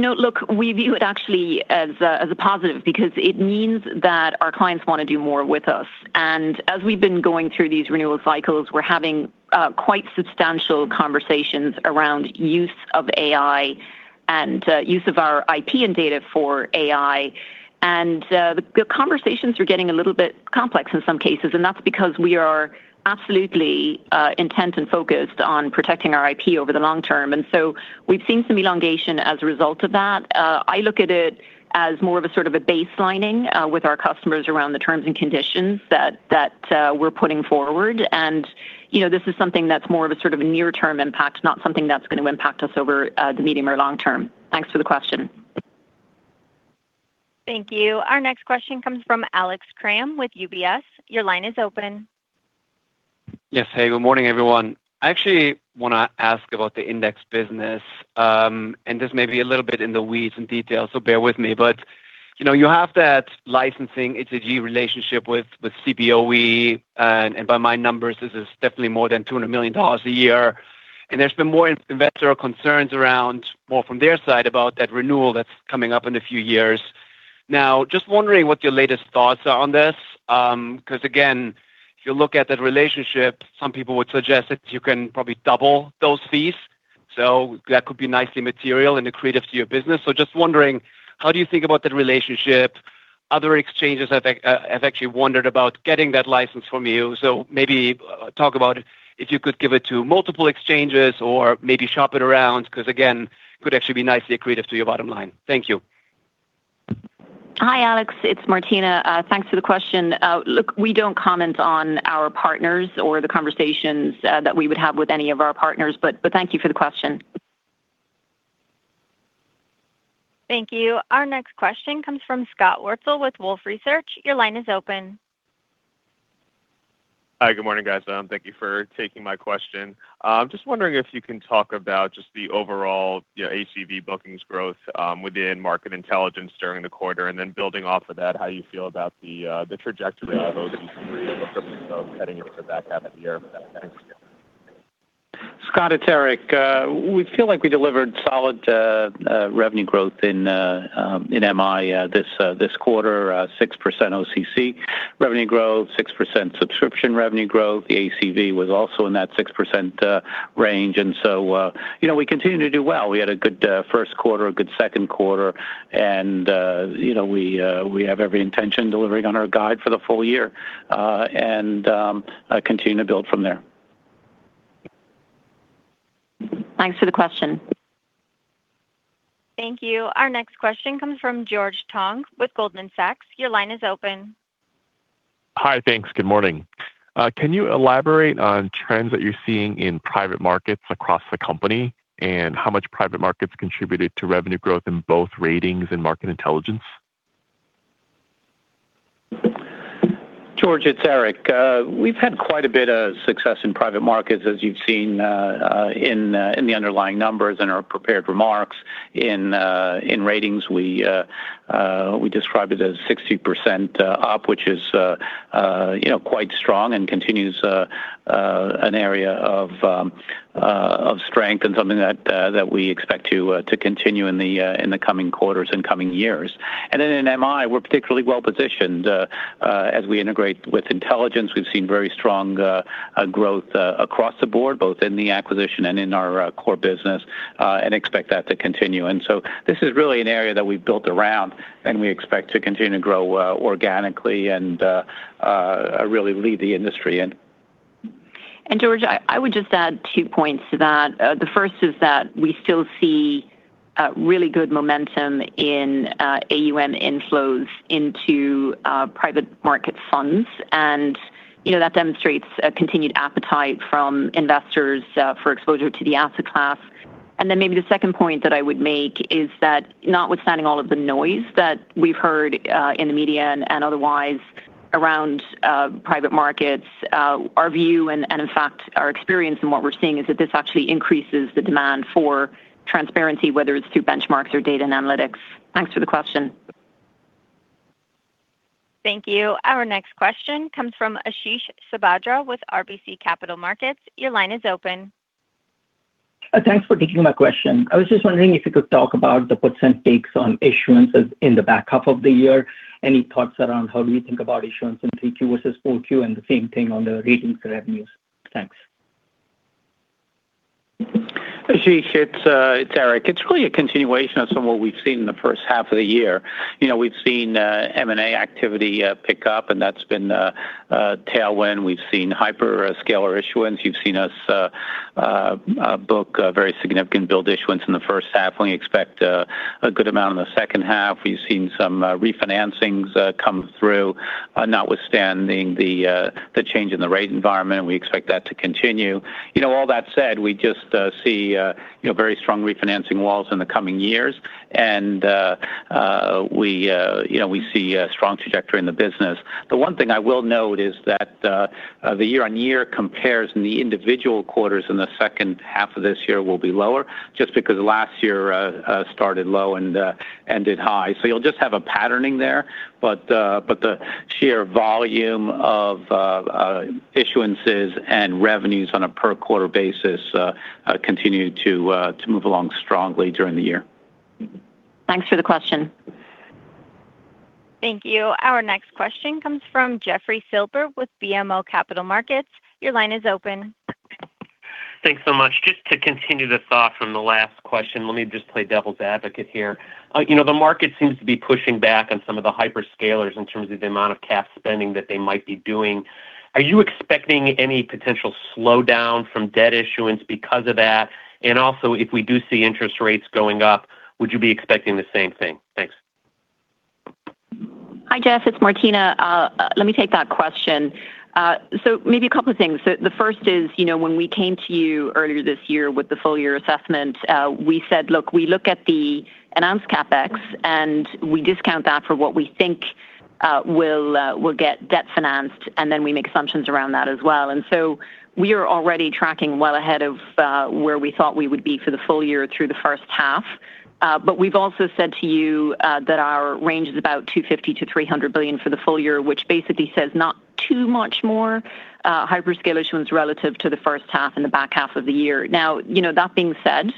Look, we view it actually as a positive because it means that our clients want to do more with us. As we've been going through these renewal cycles, we're having quite substantial conversations around use of AI and use of our IP and data for AI. The conversations are getting a little bit complex in some cases, and that's because we are absolutely intent and focused on protecting our IP over the long term. We've seen some elongation as a result of that. I look at it as more of a baselining with our customers around the terms and conditions that we're putting forward. This is something that's more of a near-term impact, not something that's going to impact us over the medium or long term. Thanks for the question. Thank you. Our next question comes from Alex Kramm with UBS. Your line is open. Yes. Hey, good morning, everyone. I actually want to ask about the index business. This may be a little bit in the weeds in detail, so bear with me. You have that licensing, it's a G relationship with Cboe, by my numbers, this is definitely more than $200 million a year. There's been more investor concerns around, more from their side, about that renewal that's coming up in a few years. Just wondering what your latest thoughts are on this. Again, if you look at that relationship, some people would suggest that you can probably double those fees. That could be nicely material and accretive to your business. Just wondering, how do you think about that relationship? Other exchanges have actually wondered about getting that license from you. maybe talk about if you could give it to multiple exchanges or maybe shop it around, because again, it could actually be nicely accretive to your bottom line. Thank you. Hi, Alex. It's Martina. Thanks for the question. We don't comment on our partners or the conversations that we would have with any of our partners, thank you for the question. Thank you. Our next question comes from Scott Wurtzel with Wolfe Research. Your line is open. Hi. Good morning, guys. Thank you for taking my question. Just wondering if you can talk about just the overall ACV bookings growth within Market Intelligence during the quarter, and then building off of that, how you feel about the trajectory of OTB 3 in terms of heading into the back half of the year. Thanks. Scott, it's Eric. We feel like we delivered solid revenue growth in MI this quarter, 6% OCC revenue growth, 6% subscription revenue growth. The ACV was also in that 6% range. We continue to do well. We had a good first quarter, a good second quarter, and we have every intention of delivering on our guide for the full year and continue to build from there. Thanks for the question. Thank you. Our next question comes from George Tong with Goldman Sachs. Your line is open. Hi. Thanks. Good morning. Can you elaborate on trends that you're seeing in private markets across the company, and how much private markets contributed to revenue growth in both Ratings and Market Intelligence? George, it's Eric. We've had quite a bit of success in private markets, as you've seen in the underlying numbers and our prepared remarks. In Ratings, we described it as 60% up, which is quite strong and continues an area of strength and something that we expect to continue in the coming quarters and coming years. In MI, we're particularly well-positioned. As we integrate With Intelligence, we've seen very strong growth across the board, both in the acquisition and in our core business, and expect that to continue. This is really an area that we've built around, and we expect to continue to grow organically and really lead the industry in. George, I would just add two points to that. The first is that we still see really good momentum in AUM inflows into private market funds, and that demonstrates a continued appetite from investors for exposure to the asset class. Maybe the second point that I would make is that notwithstanding all of the noise that we've heard in the media and otherwise around private markets, our view and in fact, our experience and what we're seeing is that this actually increases the demand for transparency, whether it's through benchmarks or data and analytics. Thanks for the question. Thank you. Our next question comes from Ashish Sabadra with RBC Capital Markets. Your line is open. Thanks for taking my question. I was just wondering if you could talk about the [pace of] issuances in the back half of the year. Any thoughts around how we think about issuance in Q2 versus Q4, and the same thing on the Ratings revenues. Thanks. Ashish, it's Eric. It's really a continuation of some of what we've seen in the first half of the year. We've seen M&A activity pick up, and that's been a tailwind. We've seen hyperscaler issuance. You've seen us book a very significant billed issuance in the first half. We expect a good amount in the second half. We've seen some refinancings come through, notwithstanding the change in the rate environment, and we expect that to continue. All that said, we just see very strong refinancing walls in the coming years, and we see a strong trajectory in the business. The one thing I will note is that the year-on-year compares in the individual quarters in the second half of this year will be lower, just because last year started low and ended high. You'll just have a patterning there, the sheer volume of issuances and revenues on a per-quarter basis continue to move along strongly during the year. Thanks for the question. Thank you. Our next question comes from Jeffrey Silber with BMO Capital Markets. Your line is open. Thanks so much. Just to continue this thought from the last question, let me just play devil's advocate here. The market seems to be pushing back on some of the hyperscalers in terms of the amount of cash spending that they might be doing. Are you expecting any potential slowdown from debt issuance because of that? Also, if we do see interest rates going up, would you be expecting the same thing? Thanks. Hi, Jeff. It's Martina. Let me take that question. Maybe a couple of things. The first is, when we came to you earlier this year with the full-year assessment, we said, look, we look at the announced CapEx, we discount that for what we think will get debt-financed, then we make assumptions around that as well. We are already tracking well ahead of where we thought we would be for the full year through the first half. We've also said to you that our range is about $250 billion-$300 billion for the full year, which basically says not too much more hyperscale issuance relative to the first half and the back half of the year. That being said,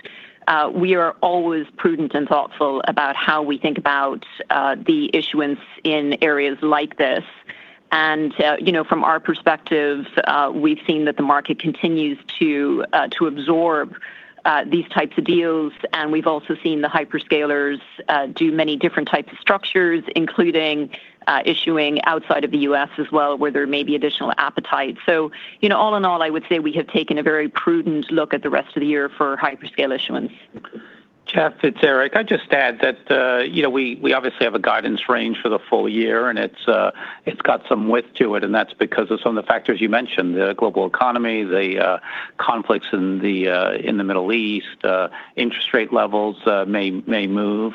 we are always prudent and thoughtful about how we think about the issuance in areas like this. From our perspective, we've seen that the market continues to absorb these types of deals, and we've also seen the hyperscalers do many different types of structures, including issuing outside of the U.S. as well, where there may be additional appetite. All in all, I would say we have taken a very prudent look at the rest of the year for hyperscale issuance. Jeff, it's Eric. I'd just add that we obviously have a guidance range for the full year, and it's got some width to it, and that's because of some of the factors you mentioned. The global economy, the conflicts in the Middle East. Interest rate levels may move.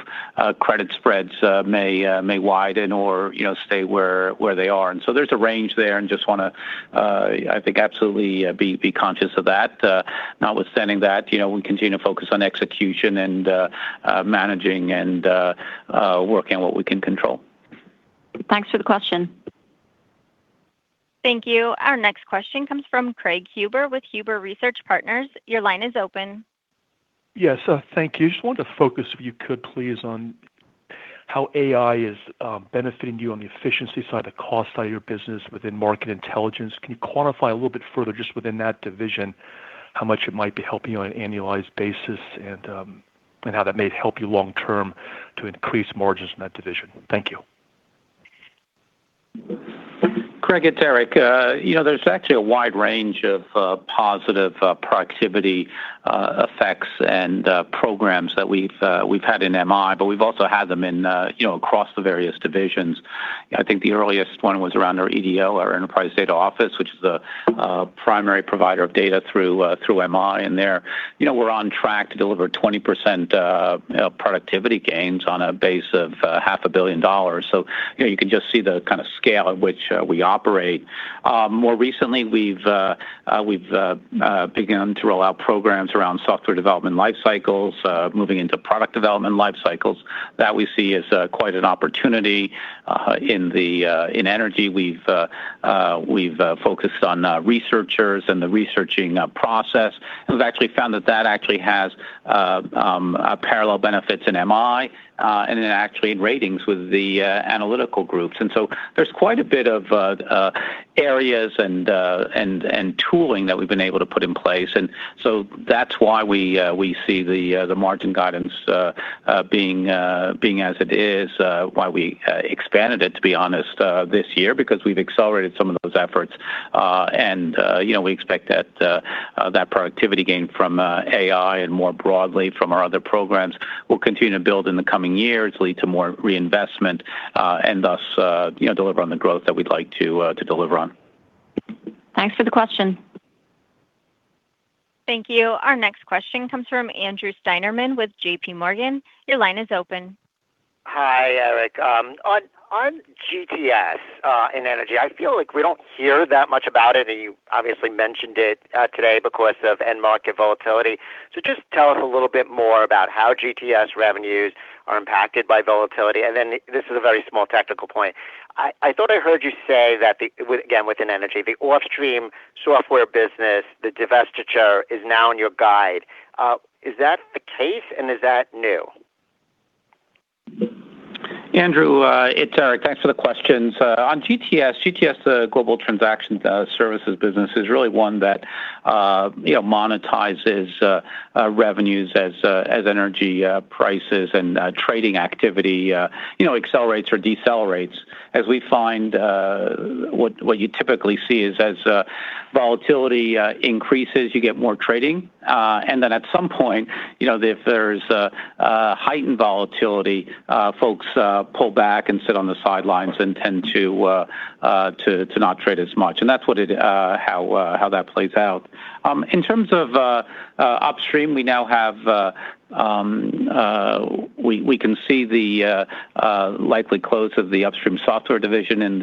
Credit spreads may widen or stay where they are. There's a range there, and just want to, I think absolutely be conscious of that. Notwithstanding that, we continue to focus on execution and managing and working what we can control. Thanks for the question. Thank you. Our next question comes from Craig Huber with Huber Research Partners. Your line is open. Yes. Thank you. Just wanted to focus, if you could, please, on how AI is benefiting you on the efficiency side, the cost side of your business within Market Intelligence. Can you quantify a little bit further just within that division how much it might be helping you on an annualized basis and how that may help you long term to increase margins in that division? Thank you. Craig, it's Eric. There's actually a wide range of positive productivity effects and programs that we've had in MI, but we've also had them across the various divisions. I think the earliest one was around our EDO, our Enterprise Data Organization, which is a primary provider of data through MI. There we're on track to deliver 20% productivity gains on a base of half a billion dollars. You can just see the kind of scale at which we operate. More recently, we've begun to roll out programs around software development life cycles, moving into product development life cycles. That we see as quite an opportunity. In energy, we've focused on researchers and the researching process, and we've actually found that that actually has parallel benefits in MI, and then actually in Ratings with the analytical groups. There's quite a bit of areas and tooling that we've been able to put in place. That's why we see the margin guidance being as it is, why we expanded it, to be honest, this year, because we've accelerated some of those efforts. We expect that that productivity gain from AI and more broadly from our other programs will continue to build in the coming years, lead to more reinvestment, and thus deliver on the growth that we'd like to deliver on. Thanks for the question. Thank you. Our next question comes from Andrew Steinerman with J.P. Morgan. Your line is open. Hi, Eric. On GTS in energy, I feel like we don't hear that much about it, and you obviously mentioned it today because of end market volatility. Just tell us a little bit more about how GTS revenues are impacted by volatility. This is a very small technical point. I thought I heard you say that, again, within energy, the upstream software business, the divestiture is now in your guide. Is that the case and is that new? Andrew, it's Eric. Thanks for the questions. On GTS, the global transactions services business, is really one that monetizes revenues as energy prices and trading activity accelerates or decelerates. As we find what you typically see is as volatility increases, you get more trading. At some point, if there's heightened volatility, folks pull back and sit on the sidelines and tend to not trade as much. That's how that plays out. In terms of upstream, we can see the likely close of the upstream software division during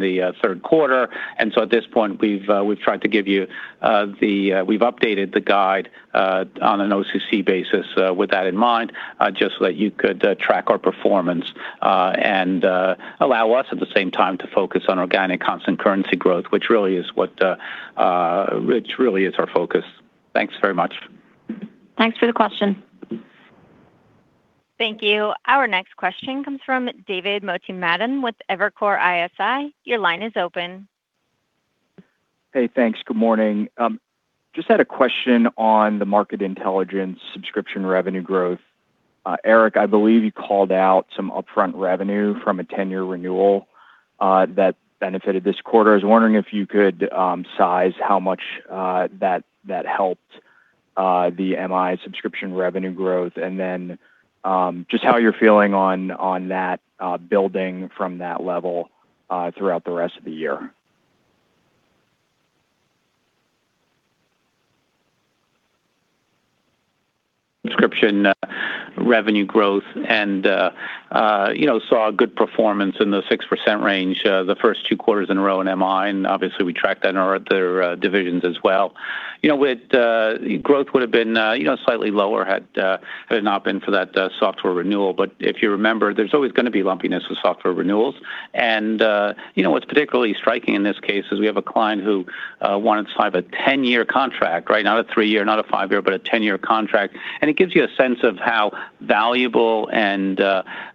the third quarter. At this point, we've updated the guide on an OCC basis with that in mind, just so that you could track our performance and allow us at the same time to focus on organic constant currency growth, which really is our focus. Thanks very much. Thanks for the question. Thank you. Our next question comes from David Motemaden with Evercore ISI. Your line is open. Hey, thanks. Good morning. Just had a question on the Market Intelligence subscription revenue growth. Eric, I believe you called out some upfront revenue from a 10-year renewal that benefited this quarter. I was wondering if you could size how much that helped the MI subscription revenue growth, and then just how you're feeling on that building from that level throughout the rest of the year. Subscription revenue growth, and saw a good performance in the 6% range the first two quarters in a row in MI, and obviously we tracked that in our other divisions as well. Growth would've been slightly lower had it not been for that software renewal. If you remember, there's always going to be lumpiness with software renewals. What's particularly striking in this case is we have a client who wanted to sign a 10-year contract. Not a three-year, not a five-year, but a 10-year contract. It gives you a sense of how valuable and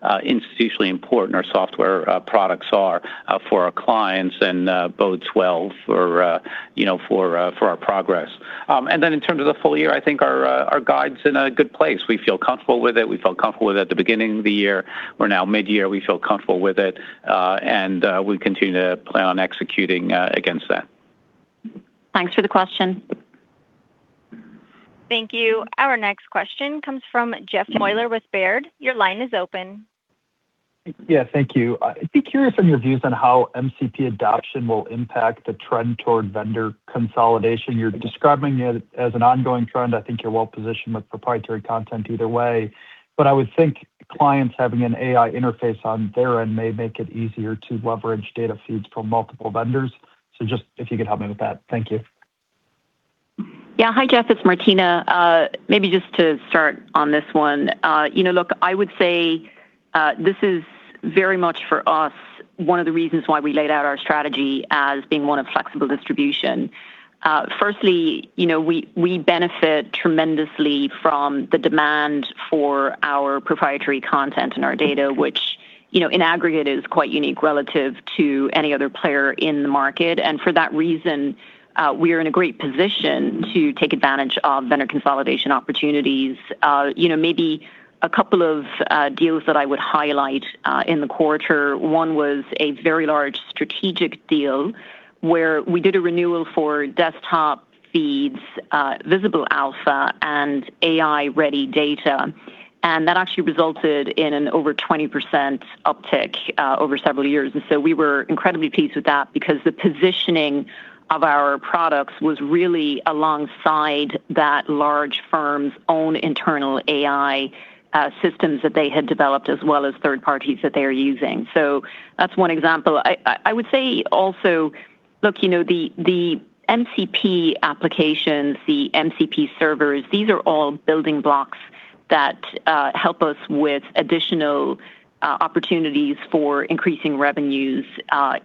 institutionally important our software products are for our clients and bodes well for our progress. Then in terms of the full year, I think our guides in a good place. We feel comfortable with it. We felt comfortable with it at the beginning of the year. We're now mid-year. We feel comfortable with it. We continue to plan on executing against that. Thanks for the question. Thank you. Our next question comes from Jeff Meuler with Baird. Your line is open. Yeah. Thank you. I'd be curious on your views on how MCP adoption will impact the trend toward vendor consolidation. You're describing it as an ongoing trend. I think you're well-positioned with proprietary content either way. I would think clients having an AI interface on their end may make it easier to leverage data feeds from multiple vendors. Just if you could help me with that. Thank you. Yeah. Hi, Jeff. It's Martina. Maybe just to start on this one. Look, I would say this is very much for us, one of the reasons why we laid out our strategy as being one of flexible distribution. Firstly, we benefit tremendously from the demand for our proprietary content and our data, which in aggregate is quite unique relative to any other player in the market. For that reason, we are in a great position to take advantage of vendor consolidation opportunities. Maybe a couple of deals that I would highlight in the quarter. One was a very large strategic deal where we did a renewal for desktop feeds, Visible Alpha, and AI-ready data. That actually resulted in an over 20% uptick over several years. We were incredibly pleased with that because the positioning of our products was really alongside that large firm's own internal AI systems that they had developed as well as third parties that they are using. That's one example. I would say also, look, the MCP applications, the MCP servers, these are all building blocks that help us with additional opportunities for increasing revenues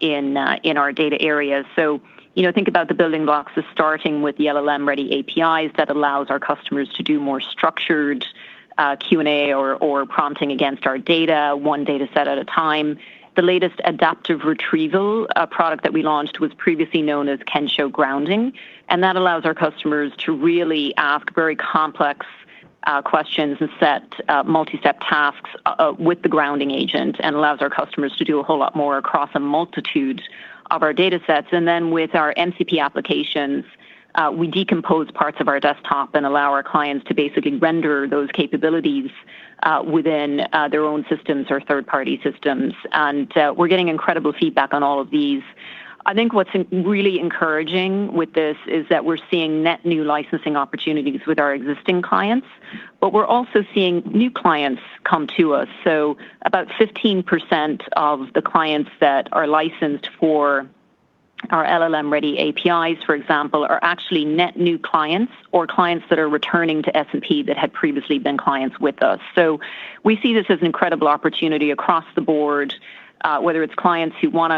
in our data areas. Think about the building blocks as starting with the LLM-ready APIs that allows our customers to do more structured Q&A or prompting against our data, one data set at a time. The latest adaptive retrieval product that we launched was previously known as Kensho Grounding. That allows our customers to really ask very complex questions and set multi-step tasks with the grounding agent and allows our customers to do a whole lot more across a multitude of our data sets. With our MCP applications, we decompose parts of our desktop and allow our clients to basically render those capabilities within their own systems or third-party systems. We're getting incredible feedback on all of these. I think what's really encouraging with this is that we're seeing net new licensing opportunities with our existing clients, but we're also seeing new clients come to us. About 15% of the clients that are licensed for our LLM-ready APIs, for example, are actually net new clients or clients that are returning to S&P that had previously been clients with us. We see this as an incredible opportunity across the board, whether it's clients who want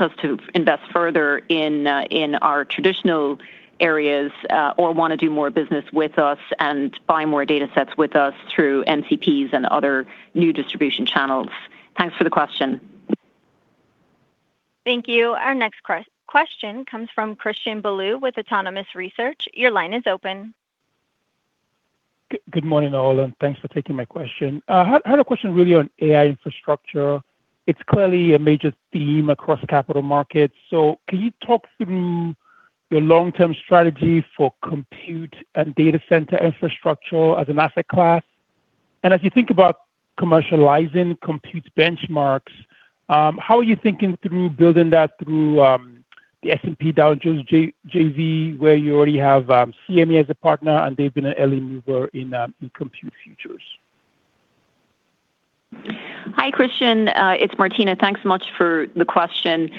us to invest further in our traditional areas or want to do more business with us and buy more data sets with us through MCPs and other new distribution channels. Thanks for the question. Thank you. Our next question comes from Christian Bolu with Autonomous Research. Your line is open. Good morning, all, and thanks for taking my question. I had a question really on AI infrastructure. It's clearly a major theme across capital markets. Can you talk through your long-term strategy for compute and data center infrastructure as an asset class? As you think about commercializing compute benchmarks, how are you thinking through building that through the S&P Dow Jones JV, where you already have CME as a partner, and they've been an early mover in compute futures? Hi, Christian. It's Martina. Thanks so much for the question.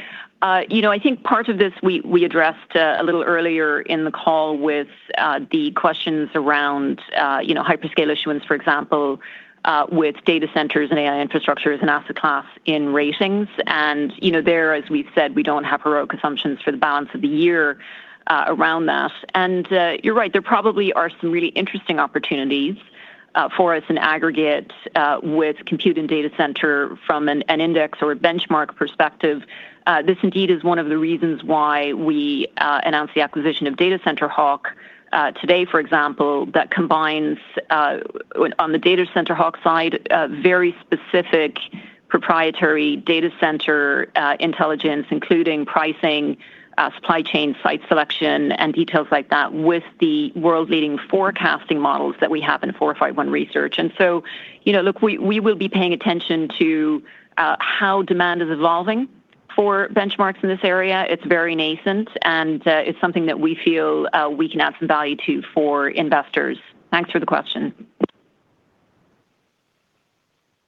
Part of this we addressed a little earlier in the call with the questions around hyperscale issuance, for example, with data centers and AI infrastructure as an asset class in ratings. There, as we've said, we don't have heroic assumptions for the balance of the year around that. You're right there probably are some really interesting opportunities for us in aggregate with compute and data center from an index or a benchmark perspective. This indeed is one of the reasons why we announced the acquisition of datacenterHawk today, for example, that combines, on the datacenterHawk side, very specific proprietary data center intelligence, including pricing, supply chain, site selection, and details like that with the world-leading forecasting models that we have in 451 Research. We will be paying attention to how demand is evolving for benchmarks in this area. It's very nascent, and it's something that we feel we can add some value to for investors. Thanks for the question.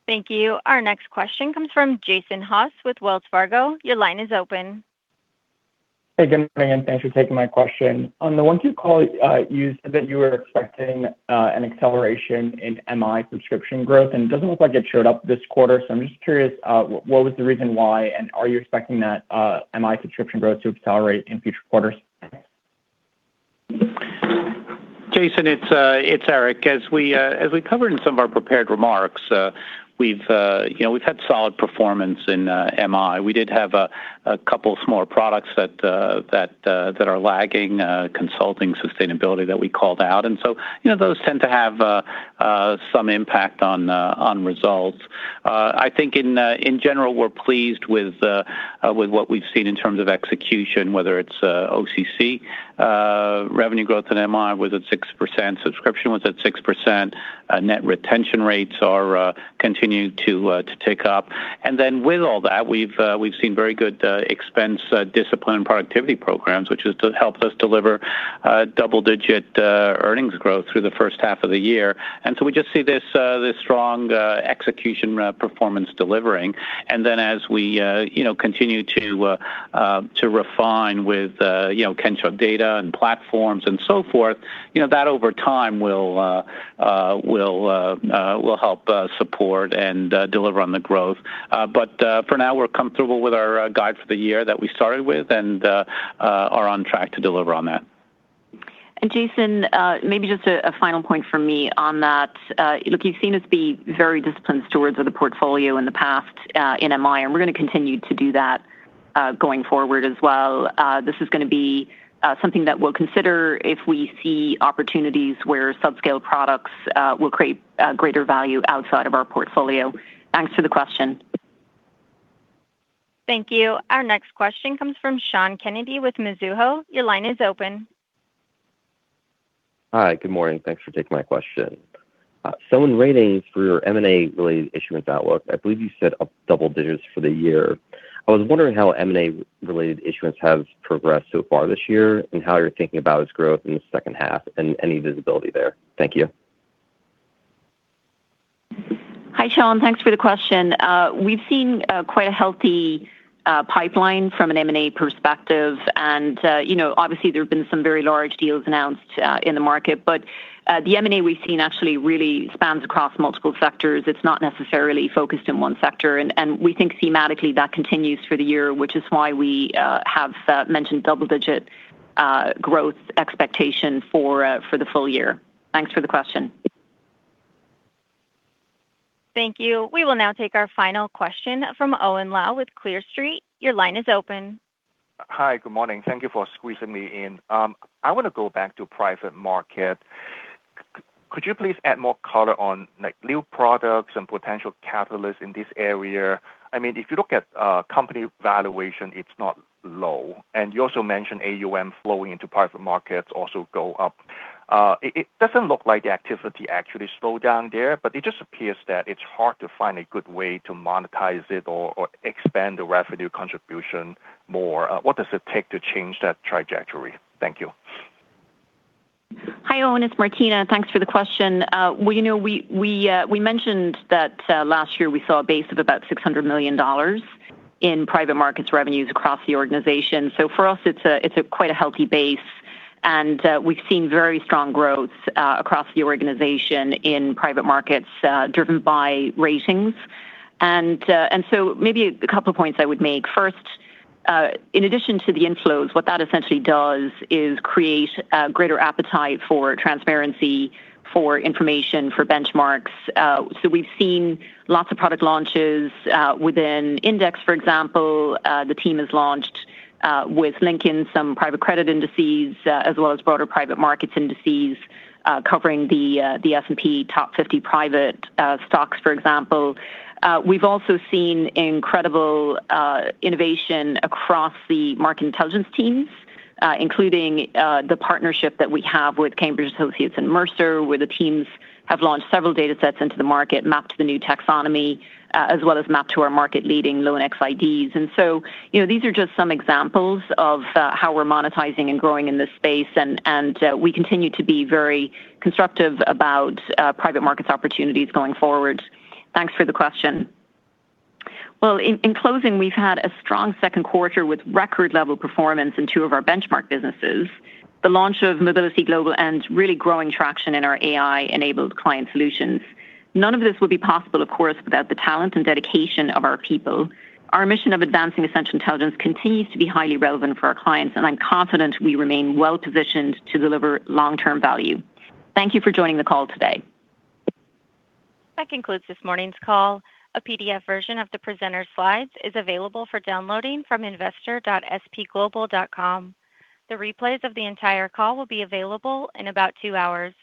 Thank you. Our next question comes from Jason Haas with Wells Fargo. Your line is open. Good morning, and thanks for taking my question. On the 1Q call, you said that you were expecting an acceleration in MI subscription growth, and it doesn't look like it showed up this quarter. I'm just curious, what was the reason why, and are you expecting that MI subscription growth to accelerate in future quarters? Jason, it's Eric. As we covered in some of our prepared remarks, we've had solid performance in MI. We did have a couple of small products that are lagging, consulting sustainability, that we called out. Those tend to have some impact on results. I think in general; we're pleased with what we've seen in terms of execution, whether it's OCC revenue growth in MI was at 6%, subscription was at 6%. Net retention rates are continuing to tick up. With all that, we've seen very good expense discipline productivity programs, which has helped us deliver double-digit earnings growth through the first half of the year. We just see this strong execution performance delivering. As we continue to refine with Kensho Data and platforms and so forth, that over time will help support and deliver on the growth. For now, we're comfortable with our guide for the year that we started with and are on track to deliver on that. Jason, maybe just a final point from me on that. Look, you've seen us be very disciplined stewards of the portfolio in the past in MI, and we're going to continue to do that going forward as well. This is going to be something that we'll consider if we see opportunities where subscale products will create greater value outside of our portfolio. Thanks for the question. Thank you. Our next question comes from Sean Kennedy with Mizuho. Your line is open. Hi, good morning. Thanks for taking my question. In ratings for your M&A-related issuance outlook, I believe you said double digits for the year. I was wondering how M&A-related issuance has progressed so far this year, and how you're thinking about its growth in the second half and any visibility there. Thank you. Hi, Sean. Thanks for the question. We've seen quite a healthy pipeline from an M&A perspective, and obviously, there have been some very large deals announced in the market. The M&A we've seen actually really spans across multiple sectors. It's not necessarily focused in one sector, and we think thematically that continues for the year, which is why we have mentioned double-digit growth expectation for the full year. Thanks for the question. Thank you. We will now take our final question from Owen Lau with Clear Street. Your line is open. Hi. Good morning. Thank you for squeezing me in. I want to go back to private market. Could you please add more color on new products and potential catalysts in this area? If you look at company valuation, it's not low. You also mentioned AUM flowing into private markets also go up. It doesn't look like the activity actually slowed down there, but it just appears that it's hard to find a good way to monetize it or expand the revenue contribution more. What does it take to change that trajectory? Thank you. Hi, Owen, it's Martina. Thanks for the question. We mentioned that last year we saw a base of about $600 million in private markets revenues across the organization. For us, it's quite a healthy base, and we've seen very strong growth across the organization in private markets driven by Ratings. Maybe a couple points I would make. First, in addition to the inflows, what that essentially does is create greater appetite for transparency, for information, for benchmarks. We've seen lots of product launches within Index, for example. The team has launched with Lincoln some private credit indices as well as broader private markets indices covering the S&P top 50 private stocks, for example. We've also seen incredible innovation across the Market Intelligence teams, including the partnership that we have with Cambridge Associates and Mercer, where the teams have launched several datasets into the market mapped to the new taxonomy as well as mapped to our market-leading LXIDs. These are just some examples of how we're monetizing and growing in this space, and we continue to be very constructive about private markets opportunities going forward. Thanks for the question. Well, in closing, we've had a strong second quarter with record-level performance in two of our benchmark businesses, the launch of Mobility Global, and really growing traction in our AI-enabled client solutions. None of this would be possible, of course, without the talent and dedication of our people. Our mission of advancing essential intelligence continues to be highly relevant for our clients, and I'm confident I remain well-positioned to deliver long-term value. Thank you for joining the call today. That concludes this morning's call. A PDF version of the presenter's slides is available for downloading from investor.spglobal.com. The replays of the entire call will be available in about two hours.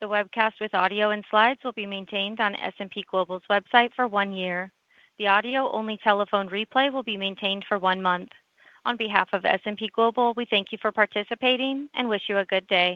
The webcast with audio and slides will be maintained on S&P Global's website for one year. The audio-only telephone replay will be maintained for one month. On behalf of S&P Global, we thank you for participating and wish you a good day.